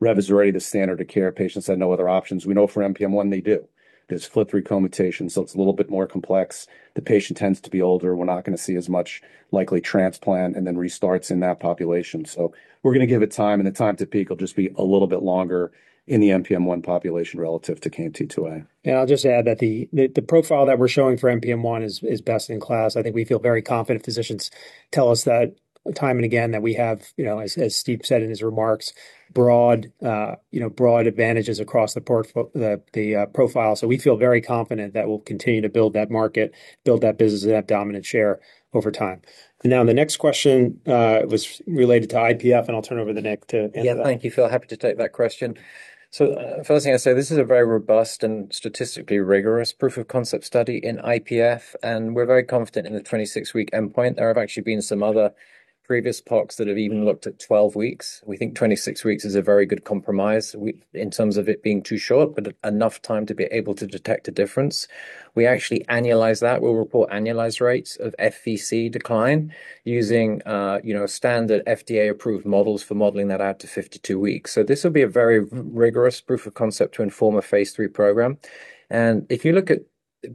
Rev is already the standard of care. Patients had no other options. We know for NPM1 they do. There's FLT3 mutation. It's a little bit more complex. The patient tends to be older. We're not gonna see as much likely transplant and then restarts in that population. We're gonna give it time, and the time to peak will just be a little bit longer in the NPM1 population relative to KMT2A. I'll just add that the profile that we're showing for NPM1 is best in class. I think we feel very confident. Physicians tell us that time and again that we have, you know, as Steve said in his remarks, broad, you know, broad advantages across the profile. We feel very confident that we'll continue to build that market, build that business and have dominant share over time. Now the next question was related to IPF, and I'll turn it over to Nick to answer that. Thank you, Phil. Happy to take that question. First thing I'd say, this is a very robust and statistically rigorous proof of concept study in IPF, and we're very confident in the 26-week endpoint. There have actually been some other previous POCs that have even looked at 12 weeks. We think 26 weeks is a very good compromise in terms of it being too short, but enough time to be able to detect a difference. We actually annualize that. We'll report annualized rates of FVC decline using, you know, standard FDA-approved models for modeling that out to 52 weeks. This will be a very rigorous proof of concept to inform a phase III program. If you look at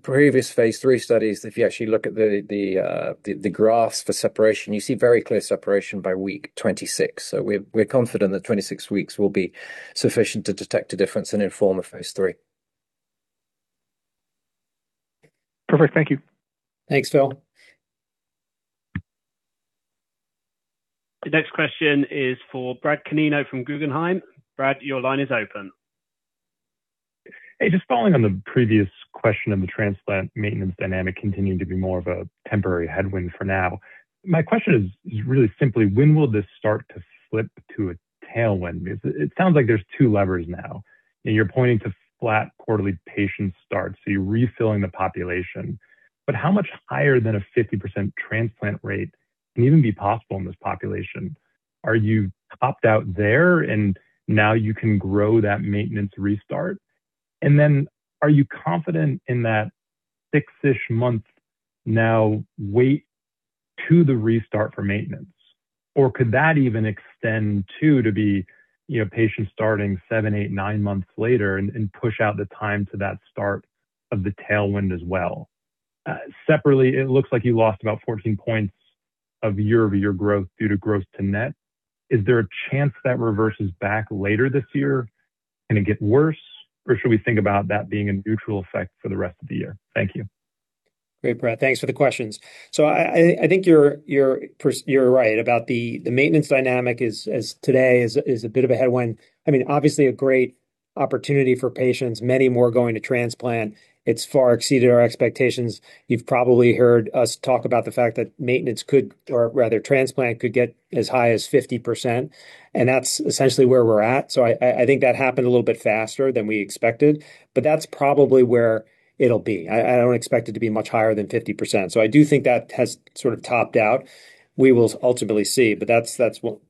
previous phase III studies, if you actually look at the graphs for separation, you see very clear separation by week 26. We're confident that 26 weeks will be sufficient to detect a difference and inform a phase III. Perfect. Thank you. Thanks, Phil. The next question is for Brad Canino from Guggenheim. Brad, your line is open. Just following on the previous question of the transplant maintenance dynamic continuing to be more of a temporary headwind for now. My question is really simply when will this start to flip to a tailwind? It sounds like there's two levers now, and you're pointing to flat quarterly patient starts, so you're refilling the population. How much higher than a 50% transplant rate can even be possible in this population? Are you topped out there, and now you can grow that maintenance restart? Are you confident in that six-ish month now wait to the restart for maintenance, or could that even extend too to be, you know, patients starting seven, eight, nine months later and push out the time to that start of the tailwind as well? Separately, it looks like you lost about 14 points of year-over-year growth due to gross to net. Is there a chance that reverses back later this year? Can it get worse, or should we think about that being a neutral effect for the rest of the year? Thank you. Great, Brad. Thanks for the questions. I think you're right about the maintenance dynamic is, as today is a bit of a headwind. I mean, obviously a great opportunity for patients, many more going to transplant. It's far exceeded our expectations. You've probably heard us talk about the fact that maintenance could or rather transplant could get as high as 50%, that's essentially where we're at. I think that happened a little bit faster than we expected, but that's probably where it'll be. I don't expect it to be much higher than 50%, I do think that has sort of topped out. We will ultimately see, but that's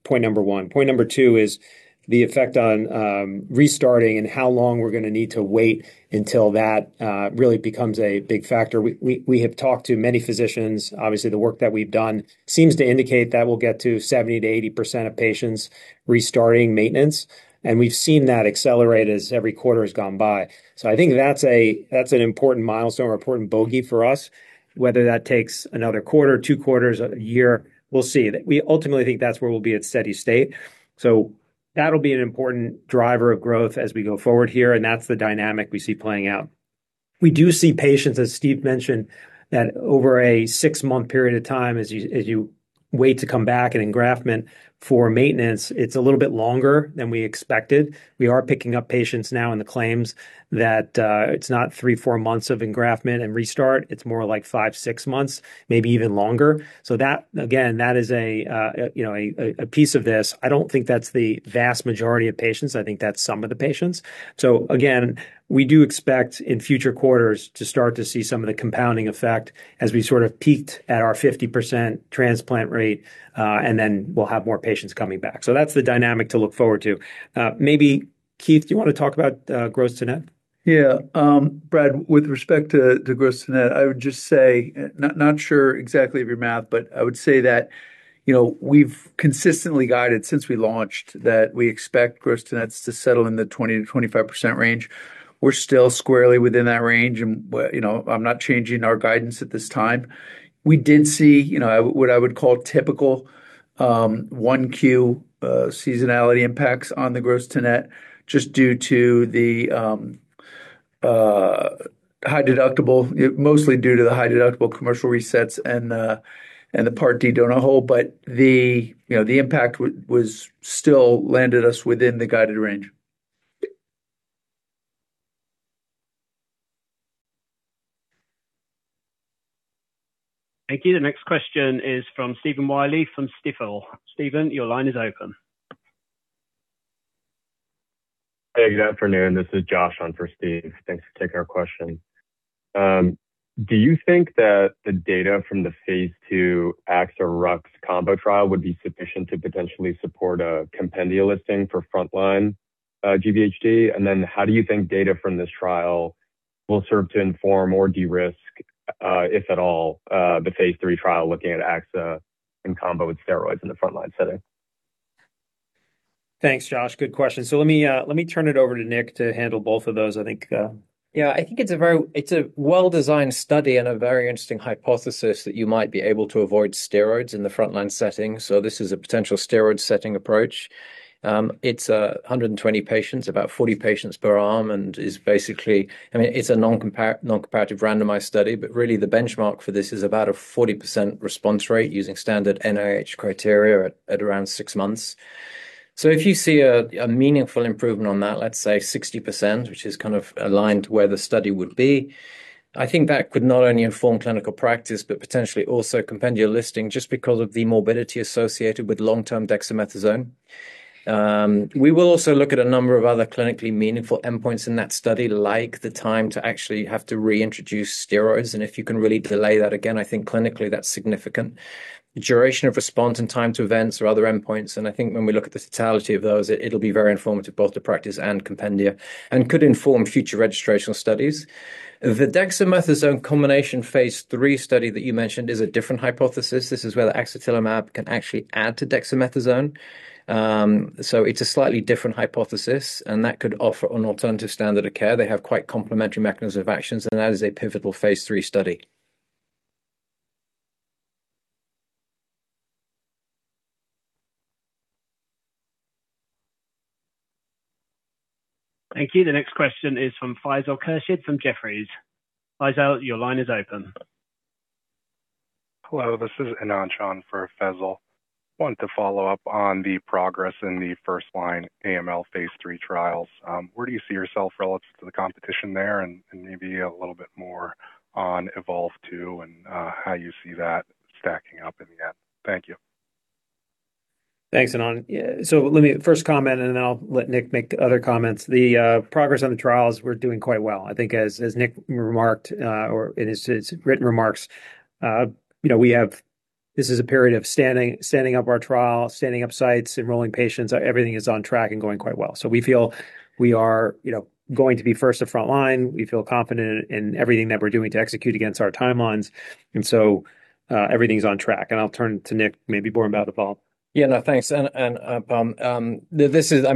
point number one. Point number two is the effect on restarting and how long we're gonna need to wait until that really becomes a big factor. We have talked to many physicians. Obviously, the work that we've done seems to indicate that we'll get to 70%-80% of patients restarting maintenance, and we've seen that accelerate as every quarter has gone by. I think that's an important milestone or important bogey for us. Whether that takes another quarter, two quarters, a year, we'll see. We ultimately think that's where we'll be at steady state, so that'll be an important driver of growth as we go forward here, and that's the dynamic we see playing out. We do see patients, as Steve mentioned, that over a six-month period of time, as you wait to come back at engraftment for maintenance, it's a little bit longer than we expected. We are picking up patients now in the claims that, it's not three, four months of engraftment and restart. It's more like five, six months, maybe even longer. That, again, that is a, you know, a piece of this. I don't think that's the vast majority of patients. I think that's some of the patients. Again, we do expect in future quarters to start to see some of the compounding effect as we sort of peaked at our 50% transplant rate, and then we'll have more patients coming back. That's the dynamic to look forward to. Maybe, Keith, do you wanna talk about, gross to net? Yeah. Brad, with respect to gross to net, I would just say, not sure exactly of your math, but I would say that, you know, we've consistently guided since we launched that we expect gross to nets to settle in the 20%-25% range. We're still squarely within that range, and you know, I'm not changing our guidance at this time. We did see, you know, what I would call typical 1Q seasonality impacts on the gross to net just due to the high deductible, mostly due to the high deductible commercial resets and the Part D donut hole. The, you know, the impact was still landed us within the guided range. Thank you. The next question is from Stephen Willey from Stifel. Stephen, your line is open. Hey, good afternoon. This is Josh on for Steve. Thanks for taking our question. Do you think that the data from the phase II Axa-Rux combo trial would be sufficient to potentially support a compendial listing for frontline GVHD? How do you think data from this trial will serve to inform or de-risk, if at all, the phase III trial looking at AXA in combo with steroids in the frontline setting? Thanks, Josh. Good question. Let me turn it over to Nick to handle both of those, I think. I think it's a well-designed study and a very interesting hypothesis that you might be able to avoid steroids in the frontline setting, so this is a potential steroid-setting approach. It's 120 patients, about 40 patients per arm, and is basically I mean, it's a noncomparative randomized study, but really the benchmark for this is about a 40% response rate using standard NIH criteria at around six months. If you see a meaningful improvement on that, let's say 60%, which is kind of aligned to where the study would be, I think that could not only inform clinical practice, but potentially also compendial listing just because of the morbidity associated with long-term dexamethasone. We will also look at a number of other clinically meaningful endpoints in that study, like the time to actually have to reintroduce steroids, and if you can really delay that, again, I think clinically that's significant. Duration of response and time to events or other endpoints, and I think when we look at the totality of those, it'll be very informative both to practice and compendia and could inform future registrational studies. The dexamethasone combination phase III study that you mentioned is a different hypothesis. This is where the axatilimab can actually add to dexamethasone. So it's a slightly different hypothesis, and that could offer an alternative standard of care. They have quite complementary mechanisms of actions, and that is a pivotal phase III study. Thank you. The next question is from Faisal Khurshid from Jefferies. Faisal, your line is open. Hello, this is Ananchon for Faisal. I wanted to follow up on the progress in the first-line AML phase III trials. Where do you see yourself relative to the competition there? Maybe a little more on EVOLVE-2 and how you see that stacking up in the end. Thank you. Thanks, Anan. Let me first comment. I'll let Nick make the other comments. The progress on the trials, we're doing quite well. I think as Nick remarked, or in his written remarks, you know, this is a period of standing up our trial, standing up sites, enrolling patients. Everything is on track and going quite well. We feel we are, you know, going to be first at frontline. We feel confident in everything that we're doing to execute against our timelines. Everything's on track. I'll turn to Nick, maybe more about EVOLVE-2. Yeah. No, thanks. I mean,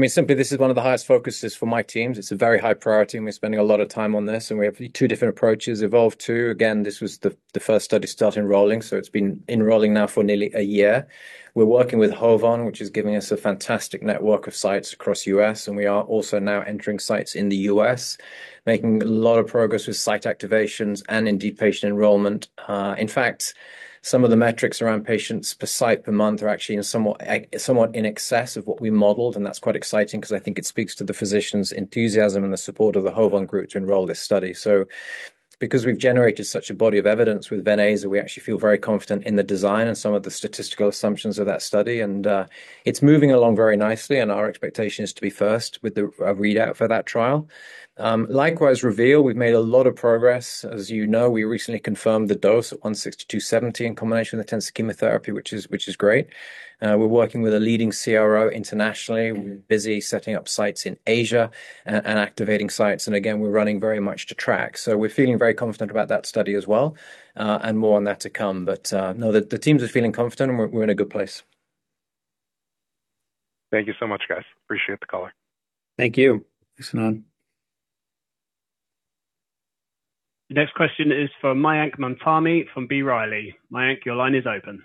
simply this is one of the highest focuses for my teams. It's a very high priority, and we're spending a lot of time on this, and we have two different approaches. EVOLVE-2, again, this was the first study to start enrolling, so it's been enrolling now for nearly a year. We're working with HOVON, which is giving us a fantastic network of sites across U.S., and we are also now entering sites in the U.S., making a lot of progress with site activations and indeed patient enrollment. In fact, some of the metrics around patients per site per month are actually in somewhat in excess of what we modeled, and that's quite exciting because I think it speaks to the physicians' enthusiasm and the support of the HOVON group to enroll this study. Because we've generated such a body of evidence with Ven/Aza, we actually feel very confident in the design and some of the statistical assumptions of that study. It's moving along very nicely, and our expectation is to be first with the readout for that trial. Likewise, REVEAL, we've made a lot of progress. As you know, we recently confirmed the dose at 162.70 in combination with intensive chemotherapy, which is great. We're working with a leading CRO internationally. We're busy setting up sites in Asia and activating sites, and again, we're running very much to track. We're feeling very confident about that study as well, and more on that to come. No, the teams are feeling confident, and we're in a good place. Thank you so much, guys. Appreciate the call. Thank you. Thanks, Anan. The next question is from Mayank Mamtani from B. Riley. Mayank, your line is open.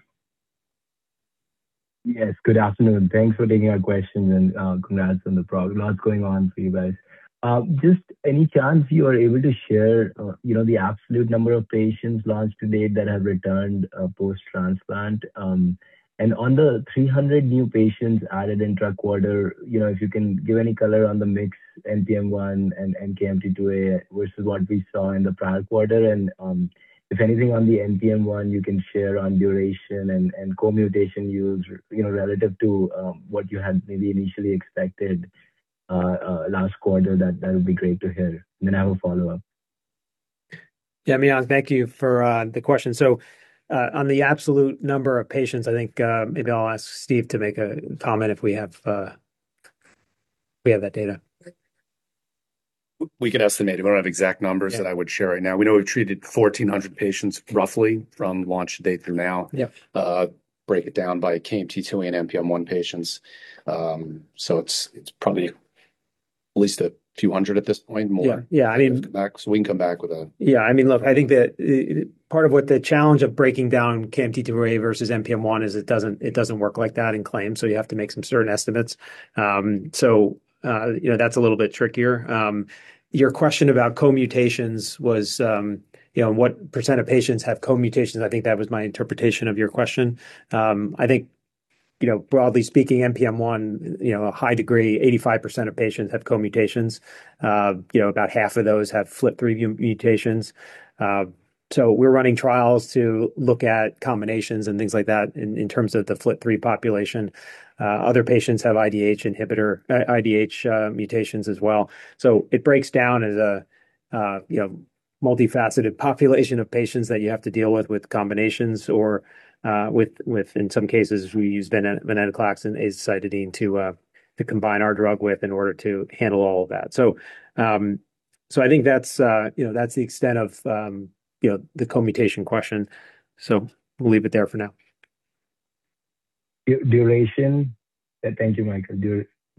Yes. Good afternoon. Thanks for taking our question and congrats. A lot's going on for you guys. Just any chance you are able to share, you know, the absolute number of patients launched to date that have returned post-transplant? On the 300 new patients added in track quarter, you know, if you can give any color on the mix NPM1 and KMT2A versus what we saw in the prior quarter and if anything on the NPM1 you can share on duration and co-mutation use, you know, relative to what you had maybe initially expected last quarter. That would be great to hear. I will follow up. Yeah, Mayank, thank you for the question. On the absolute number of patients, I think, maybe I'll ask Steve to make a comment if we have, if we have that data. We can estimate. We don't have exact numbers. Yeah. that I would share right now. We know we've treated 1,400 patients roughly from launch date through now. Yeah. Break it down by KMT2A and NPM1 patients. It's probably at least a few hundred at this point. More. Yeah. Yeah. I mean. We can come back with. Part of what the challenge of breaking down KMT2A versus NPM1 is it doesn't work like that in claims, so you have to make some certain estimates. You know, that's a little bit trickier. Your question about co-mutations was, you know, what % of patients have co-mutations. I think that was my interpretation of your question. I think, you know, broadly speaking, NPM1, you know, a high degree, 85% of patients have co-mutations. You know, about half of those have FLT3 mutations. We're running trials to look at combinations and things like that in terms of the FLT3 population. Other patients have IDH mutations as well. It breaks down as a, you know, multifaceted population of patients that you have to deal with combinations or, with, in some cases, we use venetoclax and azacitidine to combine our drug with in order to handle all of that. I think that's, you know, that's the extent of, you know, the co-mutation question. We'll leave it there for now. Duration. Thank you, Mike.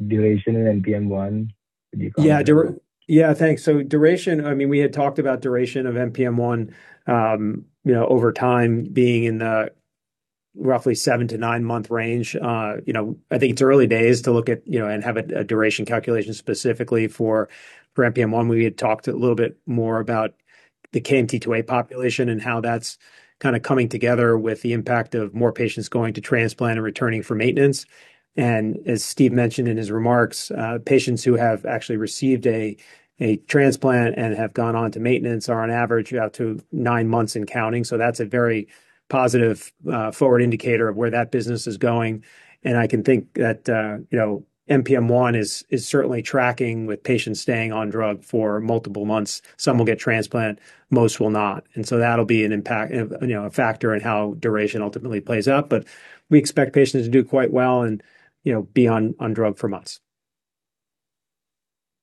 Duration in NPM1, could you comment on that? Yeah, thanks. Duration, I mean, we had talked about duration of NPM1, you know, over time being in the roughly seven to nine-month range. You know, I think it's early days to look at, you know, and have a duration calculation specifically for NPM1. We had talked a little bit more about the KMT2A population and how that's kinda coming together with the impact of more patients going to transplant and returning for maintenance. As Steve mentioned in his remarks, patients who have actually received a transplant and have gone on to maintenance are on average out to nine months and counting. That's a very positive forward indicator of where that business is going. I can think that, you know, NPM1 is certainly tracking with patients staying on drug for multiple months. Some will get transplant, most will not. That'll be an impact, you know, a factor in how duration ultimately plays out. We expect patients to do quite well and, you know, be on drug for months.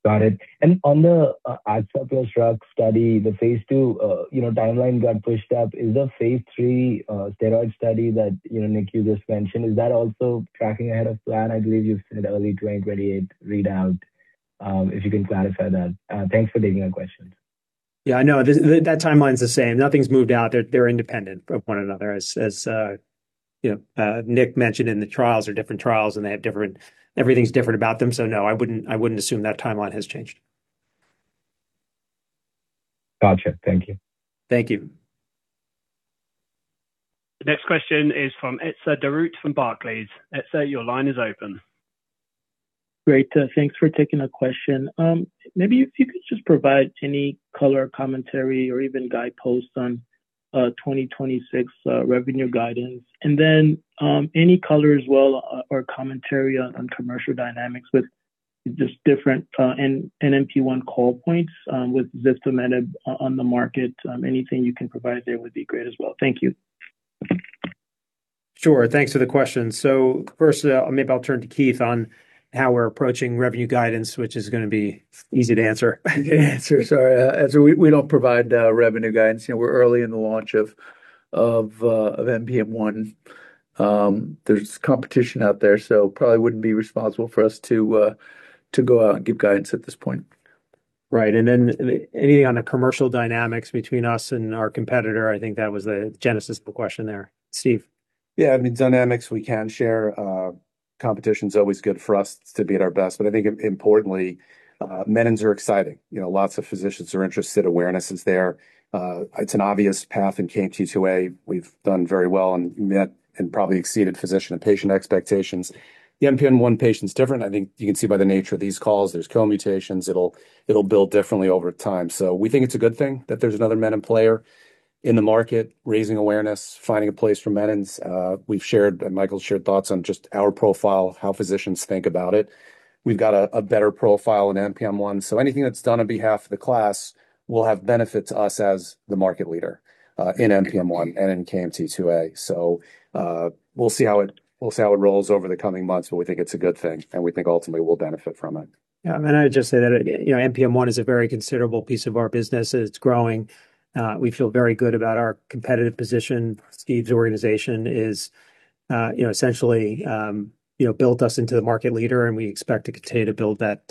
Got it. On the azacitidine plus drug study, the phase II, you know, timeline got pushed up. Is the phase III steroid study that, you know, Nick, you just mentioned, is that also tracking ahead of plan? I believe you said early 2028 readout. If you can clarify that. Thanks for taking our questions. Yeah, I know. That timeline's the same. Nothing's moved out. They're independent of one another, as you know, Nick mentioned, the trials are different trials. Everything's different about them. No, I wouldn't assume that timeline has changed. Gotcha. Thank you. Thank you. The next question is from Etzer Darout from Barclays. Etzer, your line is open. Great. thanks for taking a question. maybe if you could just provide any color commentary or even guideposts on 2026 revenue guidance, and then any color as well or commentary on commercial dynamics with just different NPM1 call points with Revuforj on the market. Anything you can provide there would be great as well. Thank you. Sure. Thanks for the question. First, maybe I'll turn to Keith on how we're approaching revenue guidance, which is gonna be easy to answer. Easy to answer. Sorry. Etzer, we don't provide revenue guidance. You know, we're early in the launch of NPM1. There's competition out there, so probably wouldn't be responsible for us to go out and give guidance at this point. Right. Then anything on the commercial dynamics between us and our competitor? I think that was the genesis of the question there. Steve? Yeah, I mean, dynamics we can share. Competition's always good for us to be at our best. I think importantly, menins are exciting. You know, lots of physicians are interested. Awareness is there. It's an obvious path in KMT2A. We've done very well and met and probably exceeded physician and patient expectations. The NPM1 patient's different. I think you can see by the nature of these calls, there's co-mutations. It'll build differently over time. We think it's a good thing that there's another menin player in the market, raising awareness, finding a place for menins. We've shared, and Michael's shared thoughts on just our profile, how physicians think about it. We've got a better profile in NPM1, so anything that's done on behalf of the class will have benefit to us as the market leader in NPM1 and in KMT2A. We'll see how it rolls over the coming months, but we think it's a good thing, and we think ultimately we'll benefit from it. Yeah. I would just say that, you know, NPM1 is a very considerable piece of our business, it's growing. We feel very good about our competitive position. Steve's organization is, you know, essentially, you know, built us into the market leader, and we expect to continue to build that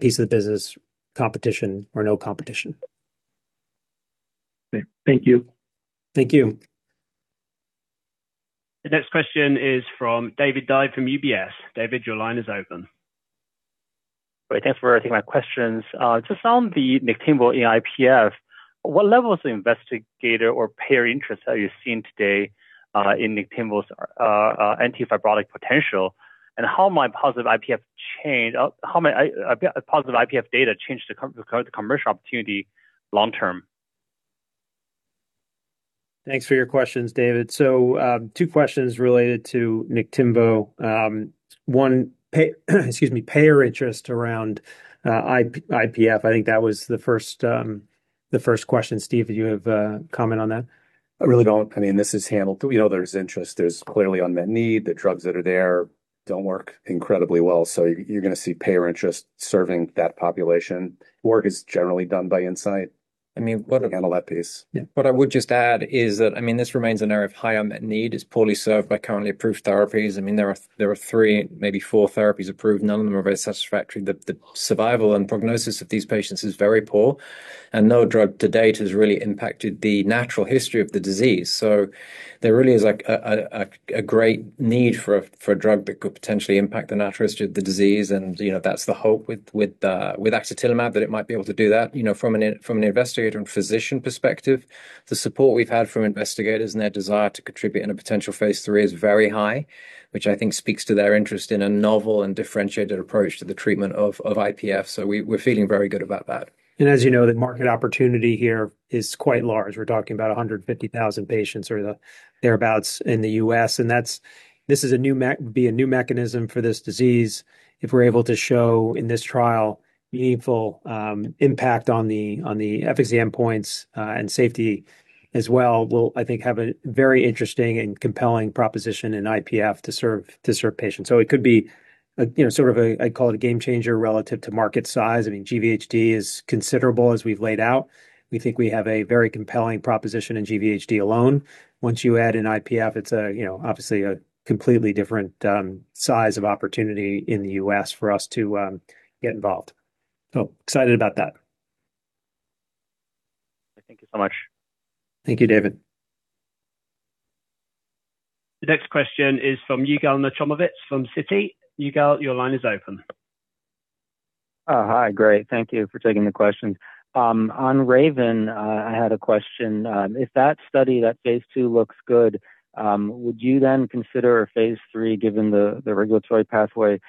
piece of the business, competition or no competition. Okay. Thank you. Thank you. The next question is from David Dai from UBS. David, your line is open. Great. Thanks for taking my questions. Just on the Niktimvo IPF, what levels of investigator or payer interest are you seeing today in Niktimvo's anti-fibrotic potential? How might positive IPF data change the commercial opportunity long term? Thanks for your questions, David. Two questions related to Niktimvo. One, Excuse me, payer interest around IPF. I think that was the first question. Steve, do you have a comment on that? I really don't. I mean, this is handled. We know there's interest. There's clearly unmet need. The drugs that are there don't work incredibly well, so you're gonna see payer interest serving that population. Work is generally done by Incyte. I mean. To handle that piece. Yeah. What I would just add is that, I mean, this remains an area of high unmet need. It's poorly served by currently approved therapies. I mean, there are three, maybe four therapies approved. None of them are very satisfactory. The survival and prognosis of these patients is very poor, and no drug to date has really impacted the natural history of the disease. There really is, like, a great need for a drug that could potentially impact the natural history of the disease. You know, that's the hope with axatilimab, that it might be able to do that. You know, from an investigator and physician perspective, the support we've had from investigators and their desire to contribute in a potential phase III is very high, which I think speaks to their interest in a novel and differentiated approach to the treatment of IPF. We're feeling very good about that. As you know, the market opportunity here is quite large. We're talking about 150,000 patients or thereabouts in the U.S. This would be a new mechanism for this disease. If we're able to show in this trial meaningful impact on the efficacy endpoints and safety as well, we'll, I think, have a very interesting and compelling proposition in IPF to serve patients. It could be a, you know, sort of a, I'd call it a game changer relative to market size. I mean, GVHD is considerable as we've laid out. We think we have a very compelling proposition in GVHD alone. Once you add in IPF, it's a, you know, obviously a completely different size of opportunity in the U.S. for us to get involved. Excited about that. Thank you so much. Thank you, David. The next question is from Yigal Nochomovitz from Citi. Yigal, your line is open. Hi. Great, thank you for taking the question. On RAVEN, I had a question. If that study, that phase II looks good, would you then consider a phase III, given the regulatory pathway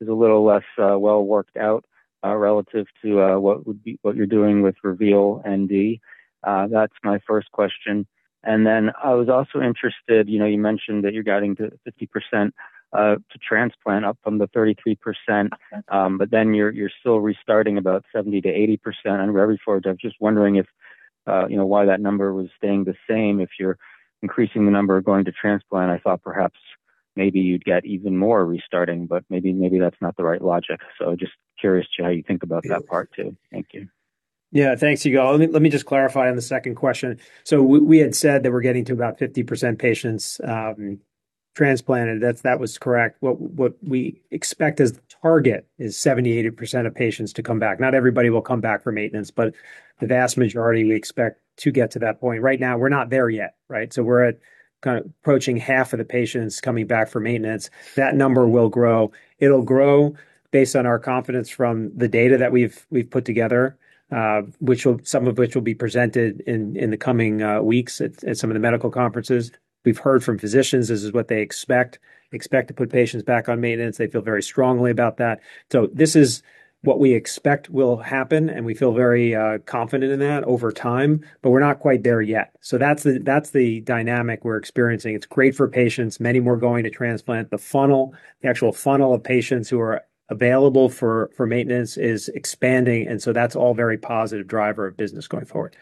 is a little less well worked out relative to what you're doing with REVEAL-ND? That's my first question. I was also interested, you know, you mentioned that you're guiding to 50% to transplant, up from the 33%. You're still restarting about 70%-80% on Revuforj. I was just wondering if, you know, why that number was staying the same. If you're increasing the number going to transplant, I thought perhaps maybe you'd get even more restarting, but maybe that's not the right logic. Just curious to how you think about that part too. Thank you. Thanks, Yigal. Let me just clarify on the second question. We had said that we're getting to about 50% patients transplanted, that was correct. What we expect as the target is 70%-80% of patients to come back. Not everybody will come back for maintenance, but the vast majority we expect to get to that point. Right now, we're not there yet, right? We're at kinda approaching half of the patients coming back for maintenance. That number will grow. It'll grow based on our confidence from the data that we've put together, some of which will be presented in the coming weeks at some of the medical conferences. We've heard from physicians, this is what they expect. Expect to put patients back on maintenance. They feel very strongly about that. This is what we expect will happen, and we feel very confident in that over time, but we're not quite there yet. That's the dynamic we're experiencing. It's great for patients. Many more going to transplant. The funnel, the actual funnel of patients who are available for maintenance is expanding, and so that's all very positive driver of business going forward.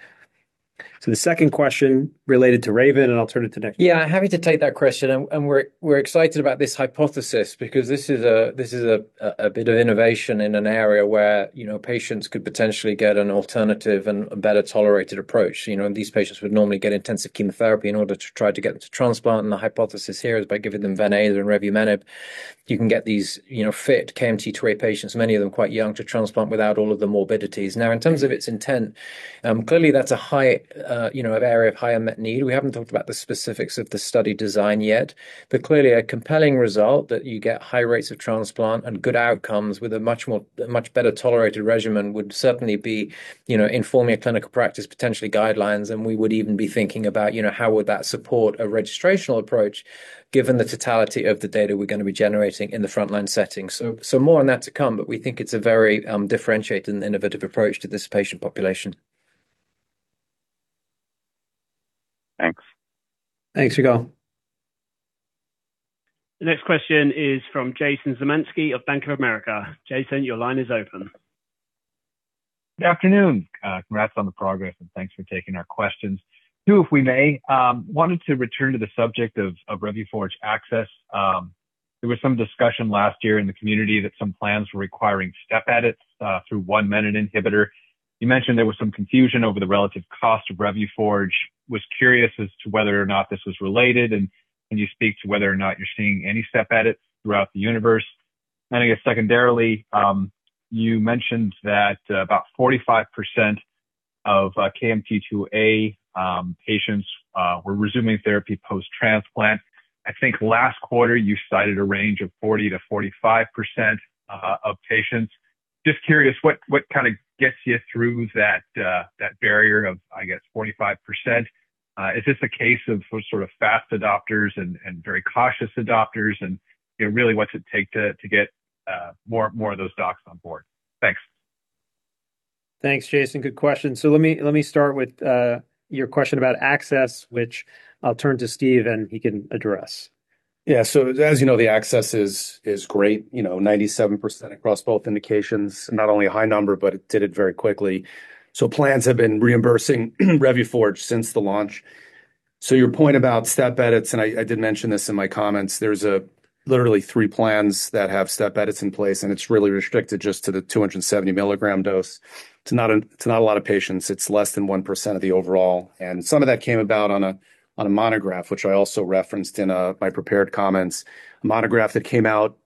The second question related to RAVEN, and I'll turn it to Nick. Yeah, happy to take that question, and we're excited about this hypothesis because this is a bit of innovation in an area where, you know, patients could potentially get an alternative and a better-tolerated approach. You know, these patients would normally get intensive chemotherapy in order to try to get them to transplant, and the hypothesis here is by giving them venet and revumenib, you can get these, you know, fit KMT2A patients, many of them quite young, to transplant without all of the morbidities. Now, in terms of its intent, clearly that's a high, you know, an area of high unmet need. We haven't talked about the specifics of the study design yet. Clearly a compelling result that you get high rates of transplant and good outcomes with a much better tolerated regimen would certainly be, you know, informing a clinical practice, potentially guidelines, and we would even be thinking about, you know, how would that support a registrational approach given the totality of the data we're gonna be generating in the frontline setting. More on that to come, but we think it's a very differentiated and innovative approach to this patient population. Thanks. Thanks, Yigal. The next question is from Jason Zemansky of Bank of America. Jason, your line is open. Good afternoon. Congrats on the progress, and thanks for taking our questions. Two, if we may. Wanted to return to the subject of Revuforj access. There was some discussion last year in the community that some plans were requiring step edits through one menin inhibitor. You mentioned there was some confusion over the relative cost of Revuforj. Was curious as to whether or not this was related and, can you speak to whether or not you're seeing any step edits throughout the universe? I guess secondarily, you mentioned that about 45% of KMT2A patients were resuming therapy post-transplant. I think last quarter you cited a range of 40%-45% of patients. Just curious, what kind of gets you through that barrier of, I guess, 45%? Is this a case of sort of fast adopters and very cautious adopters? You know, really what's it take to get more of those docs on board? Thanks. Thanks, Jason. Good question. Let me start with your question about access, which I'll turn to Steve, and he can address. Yeah. As you know, the access is great. You know, 97% across both indications. Not only a high number, it did it very quickly. Plans have been reimbursing Revuforj since the launch. Your point about step edits, and I did mention this in my comments, there's literally three plans that have step edits in place, and it's really restricted just to the 270 mg dose. It's not a lot of patients. It's less than 1% of the overall. Some of that came about on a monograph, which I also referenced in my prepared comments. A monograph that came out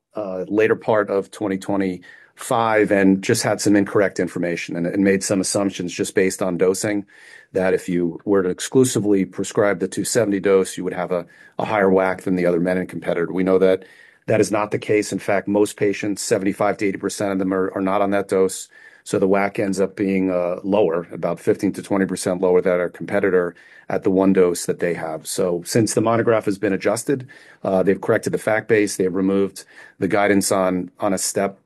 later part of 2025 and just had some incorrect information and made some assumptions just based on dosing, that if you were to exclusively prescribe the 270 mg dose, you would have a higher WAC than the other menin inhibitor. We know that that is not the case. In fact, most patients, 75%-80% of them are not on that dose. The WAC ends up being lower, about 15%-20% lower than our competitor at the one dose that they have. Since the monograph has been adjusted, they've corrected the fact base, they've removed the guidance on a step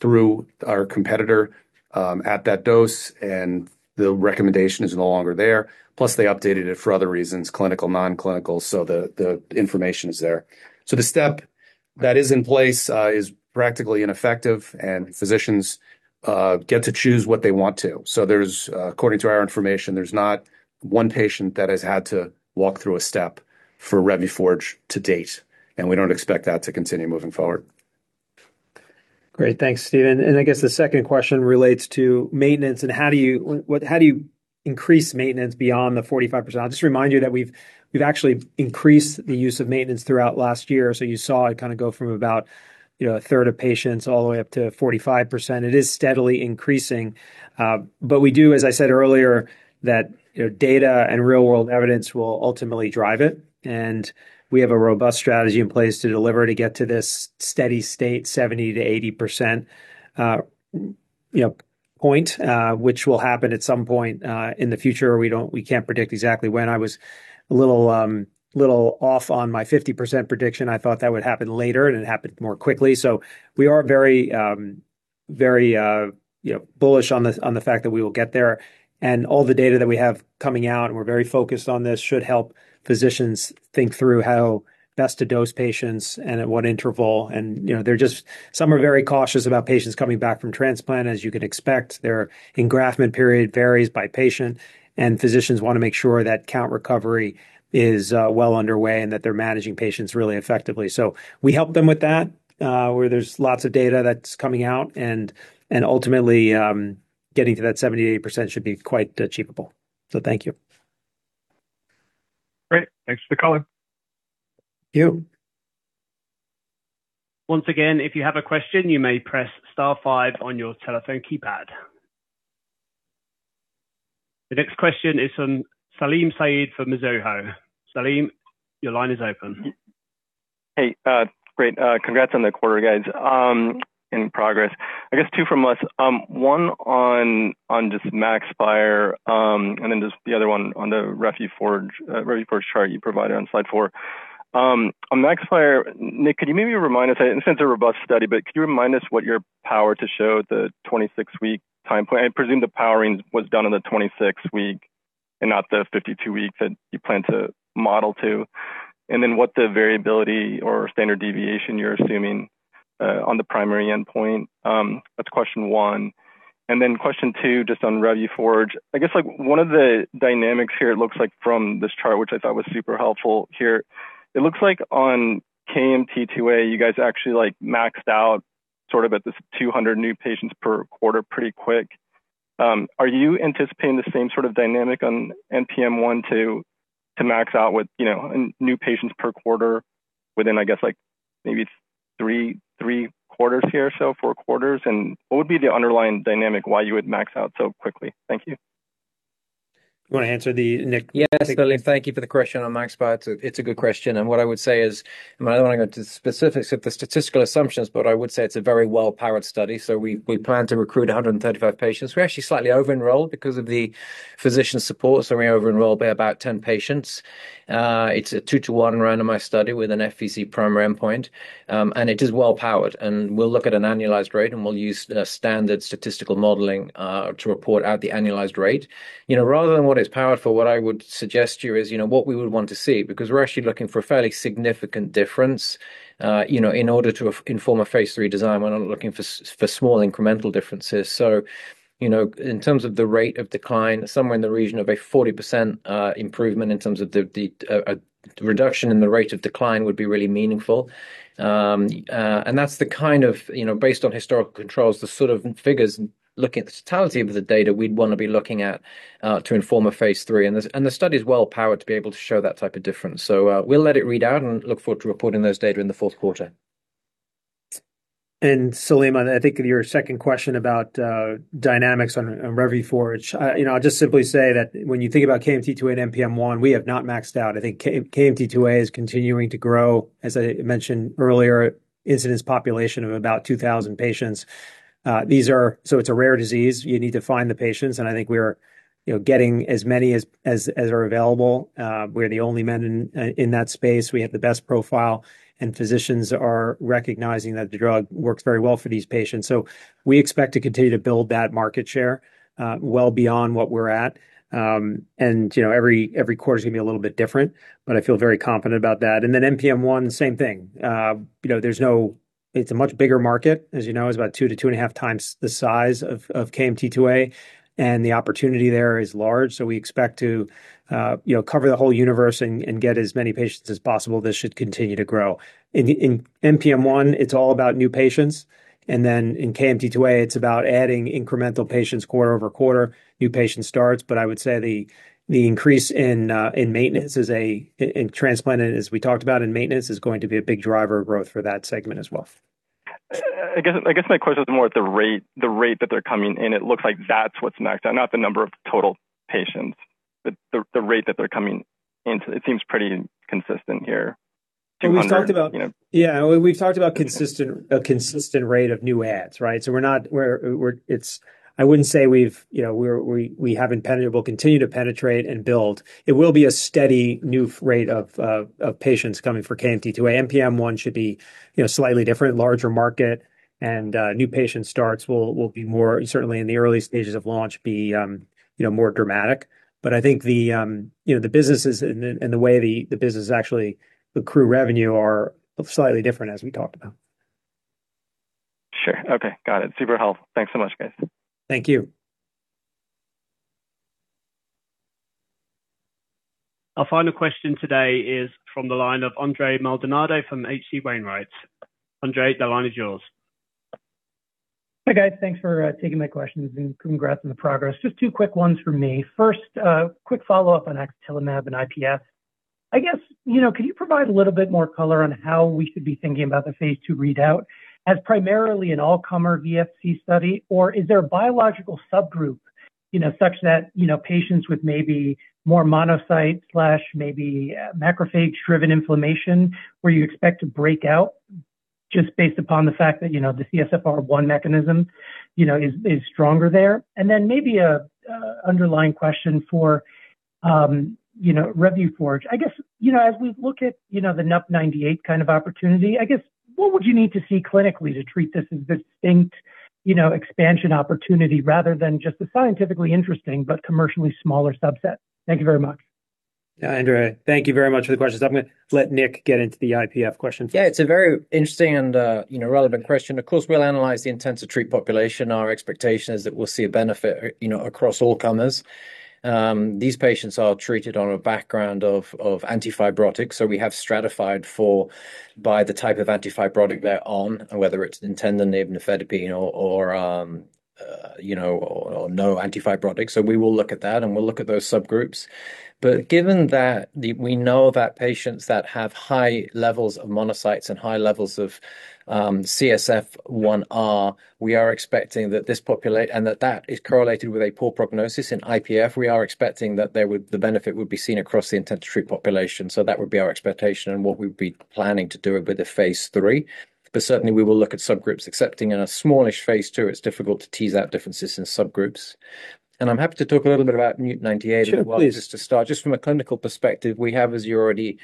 through our competitor at that dose, and the recommendation is no longer there. Plus, they updated it for other reasons, clinical, non-clinical, so the information is there. The step that is in place is practically ineffective, and physicians get to choose what they want to. According to our information, there's not one patient that has had to walk through a step for Revuforj to date, and we don't expect that to continue moving forward. Great. Thanks, Steve. I guess the second question relates to maintenance and how do you increase maintenance beyond the 45%? I'll just remind you that we've actually increased the use of maintenance throughout last year. You saw it kind of go from about, you know, a third of patients all the way up to 45%. It is steadily increasing. We do, as I said earlier, that, you know, data and real-world evidence will ultimately drive it. We have a robust strategy in place to deliver to get to this steady state, 70%-80% point, which will happen at some point in the future. We can't predict exactly when. I was a little off on my 50% prediction. I thought that would happen later, and it happened more quickly. We are very, you know, bullish on the fact that we will get there. All the data that we have coming out, and we're very focused on this, should help physicians think through how best to dose patients and at what interval. You know, they're just. Some are very cautious about patients coming back from transplant, as you can expect. Their engraftment period varies by patient, and physicians want to make sure that count recovery is well underway and that they're managing patients really effectively. We help them with that, where there's lots of data that's coming out, and ultimately, getting to that 70%-80% should be quite achievable. Thank you. Great. Thanks for the color. Thank you. Once again, if you have a question, you may press star five on your telephone keypad. The next question is from Salim Syed from Mizuho. Salim, your line is open. Hey, great. Congrats on the quarter, guys, and progress. I guess two from us. One on just MAXPIRe, and then just the other one on the Revuforj chart you provided on slide four. On MAXPIRe, Nick, could you maybe remind us, I understand it's a robust study, but could you remind us what your power to show the 26-week time frame? I presume the powering was done on the 26-week and not the 52-week that you plan to model to. And then what the variability or standard deviation you're assuming on the primary endpoint? That's question one. And then question two, just on Revuforj. I guess, like, one of the dynamics here, it looks like from this chart, which I thought was super helpful here, it looks like on KMT2A, you guys actually, like, maxed out sort of at this 200 new patients per quarter pretty quick. Are you anticipating the same sort of dynamic on NPM1 to max out with, you know, new patients per quarter within, I guess, like, maybe three quarters here or so, four quarters? What would be the underlying dynamic why you would max out so quickly? Thank you. Wanna answer the, Nick? Yes, Salim, thank you for the question on MAXPIRe. It's a good question. What I would say is, I don't want to go into the specifics of the statistical assumptions, but I would say it's a very well-powered study. We plan to recruit 135 patients. We actually slightly over-enrolled because of the physician support, we over-enrolled by about 10 patients. It's a 2:1 randomized study with an FVC primary endpoint. It is well-powered, and we'll look at an annualized rate, and we'll use the standard statistical modeling to report out the annualized rate. You know, rather than what it's powered for, what I would suggest to you is, you know, what we would want to see, because we're actually looking for a fairly significant difference, you know, in order to inform a phase III design. We're not looking for small incremental differences. You know, in terms of the rate of decline, somewhere in the region of a 40% improvement in terms of the reduction in the rate of decline would be really meaningful. That's the kind of, you know, based on historical controls, the sort of figures looking at the totality of the data we'd wanna be looking at to inform a phase III. The study is well-powered to be able to show that type of difference. We'll let it read out and look forward to reporting those data in the fourth quarter. Salim, I think your second question about dynamics on Revuforj. You know, I'll just simply say that when you think about KMT2A and NPM1, we have not maxed out. I think KMT2A is continuing to grow, as I mentioned earlier, incidence population of about 2,000 patients. It's a rare disease. You need to find the patients, I think we are, you know, getting as many as are available. We're the only menin in that space. We have the best profile, physicians are recognizing that the drug works very well for these patients. We expect to continue to build that market share well beyond what we're at. You know, every quarter is going to be a little bit different, I feel very confident about that. NPM1, same thing. You know, there's no. It's a much bigger market, as you know. It's about 2x to 2.5x the size of KMT2A, and the opportunity there is large. We expect to, you know, cover the whole universe and get as many patients as possible. This should continue to grow. In NPM1, it's all about new patients. In KMT2A, it's about adding incremental patients quarter-over-quarter, new patient starts. I would say the increase in maintenance is in transplanted, as we talked about in maintenance, is going to be a big driver of growth for that segment as well. I guess my question is more at the rate that they're coming in. It looks like that's what's maxed out, not the number of total patients. The rate that they're coming into, it seems pretty consistent here. We've talked about. You know? Yeah, we've talked about consistent, a consistent rate of new adds, right? I wouldn't say we've, you know, we'll continue to penetrate and build. It will be a steady new rate of patients coming for KMT2A. NPM1 should be, you know, slightly different, larger market, and new patient starts will be more, certainly in the early stages of launch, be, you know, more dramatic. I think the, you know, the businesses and the way the business actually accrue revenue are slightly different, as we talked about. Sure. Okay. Got it. Super helpful. Thanks so much, guys. Thank you. Our final question today is from the line of Andres Maldonado from H.C. Wainwright. Andres, the line is yours. Hi, guys. Thanks for taking my questions, and congrats on the progress. Just two quick ones from me. First, a quick follow-up on axatilimab and IPF. I guess, could you provide a little bit more color on how we should be thinking about the phase II readout as primarily an all-comer FVC study? Or is there a biological subgroup, such that patients with maybe more monocyte/maybe macrophage-driven inflammation, where you expect to break out just based upon the fact that the CSF1R mechanism is stronger there? Maybe an underlying question for Revuforj. I guess, you know, as we look at, you know, the NUP98 kind of opportunity, I guess, what would you need to see clinically to treat this as distinct, you know, expansion opportunity rather than just a scientifically interesting but commercially smaller subset? Thank you very much. Hi, Andres, thank you very much for the questions. I'm gonna let Nick get into the IPF question. Yeah, it's a very interesting and, you know, relevant question. Of course, we'll analyze the intent to treat population. Our expectation is that we'll see a benefit, you know, across all comers. These patients are treated on a background of antifibrotics, so we have stratified for by the type of antifibrotic they're on, whether it's nintedanib, pirfenidone or, you know, no anti-fibrotic. We will look at that, and we'll look at those subgroups. Given that we know that patients that have high levels of monocytes and high levels of CSF1R, we are expecting that and that that is correlated with a poor prognosis in IPF. We are expecting that the benefit would be seen across the intent-to-treat population. That would be our expectation and what we'd be planning to do with the phase III. Certainly we will look at subgroups excepting in a smallish phase II, it's difficult to tease out differences in subgroups. I'm happy to talk a little bit about NUP98- Sure, please. ...as well, just to start. Just from a clinical perspective, we have, as you already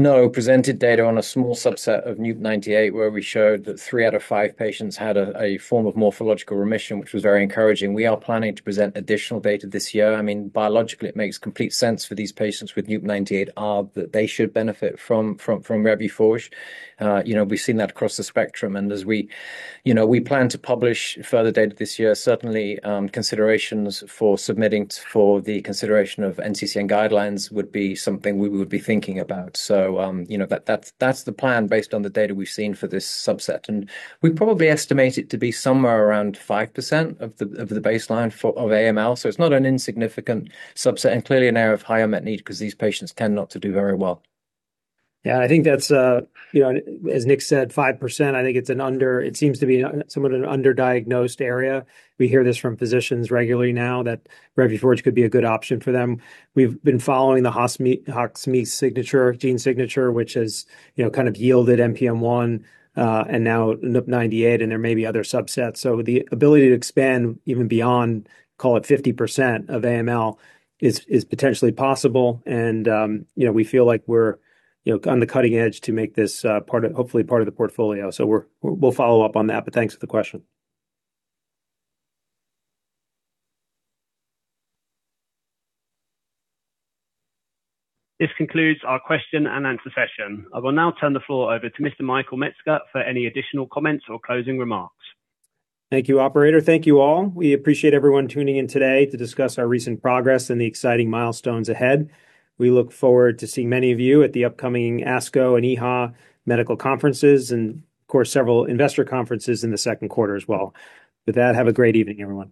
know, presented data on a small subset of NUP98, where we showed that three out of five patients had a form of morphological remission, which was very encouraging. We are planning to present additional data this year. I mean, biologically, it makes complete sense for these patients with NUP98R that they should benefit from Revuforj. You know, we've seen that across the spectrum. As we, you know, we plan to publish further data this year. Certainly, considerations for submitting for the consideration of NCCN guidelines would be something we would be thinking about. You know, that's the plan based on the data we've seen for this subset. We probably estimate it to be somewhere around 5% of the baseline for, of AML. It's not an insignificant subset and clearly an area of higher met need because these patients tend not to do very well. Yeah, I think that's, you know, as Nick said, 5%, it seems to be a somewhat underdiagnosed area. We hear this from physicians regularly now that Revuforj could be a good option for them. We've been following the HOX gene signature, which has, you know, kind of yielded NPM1, and now NUP98, and there may be other subsets. The ability to expand even beyond, call it 50% of AML is potentially possible. You know, we feel like we're, you know, on the cutting edge to make this part of, hopefully part of the portfolio. We're, we'll follow up on that. Thanks for the question. This concludes our question-and-answer session. I will now turn the floor over to Mr. Michael Metzger for any additional comments or closing remarks. Thank you, operator. Thank you all. We appreciate everyone tuning in today to discuss our recent progress and the exciting milestones ahead. We look forward to seeing many of you at the upcoming ASCO and EHA medical conferences and, of course, several investor conferences in the second quarter as well. With that, have a great evening, everyone.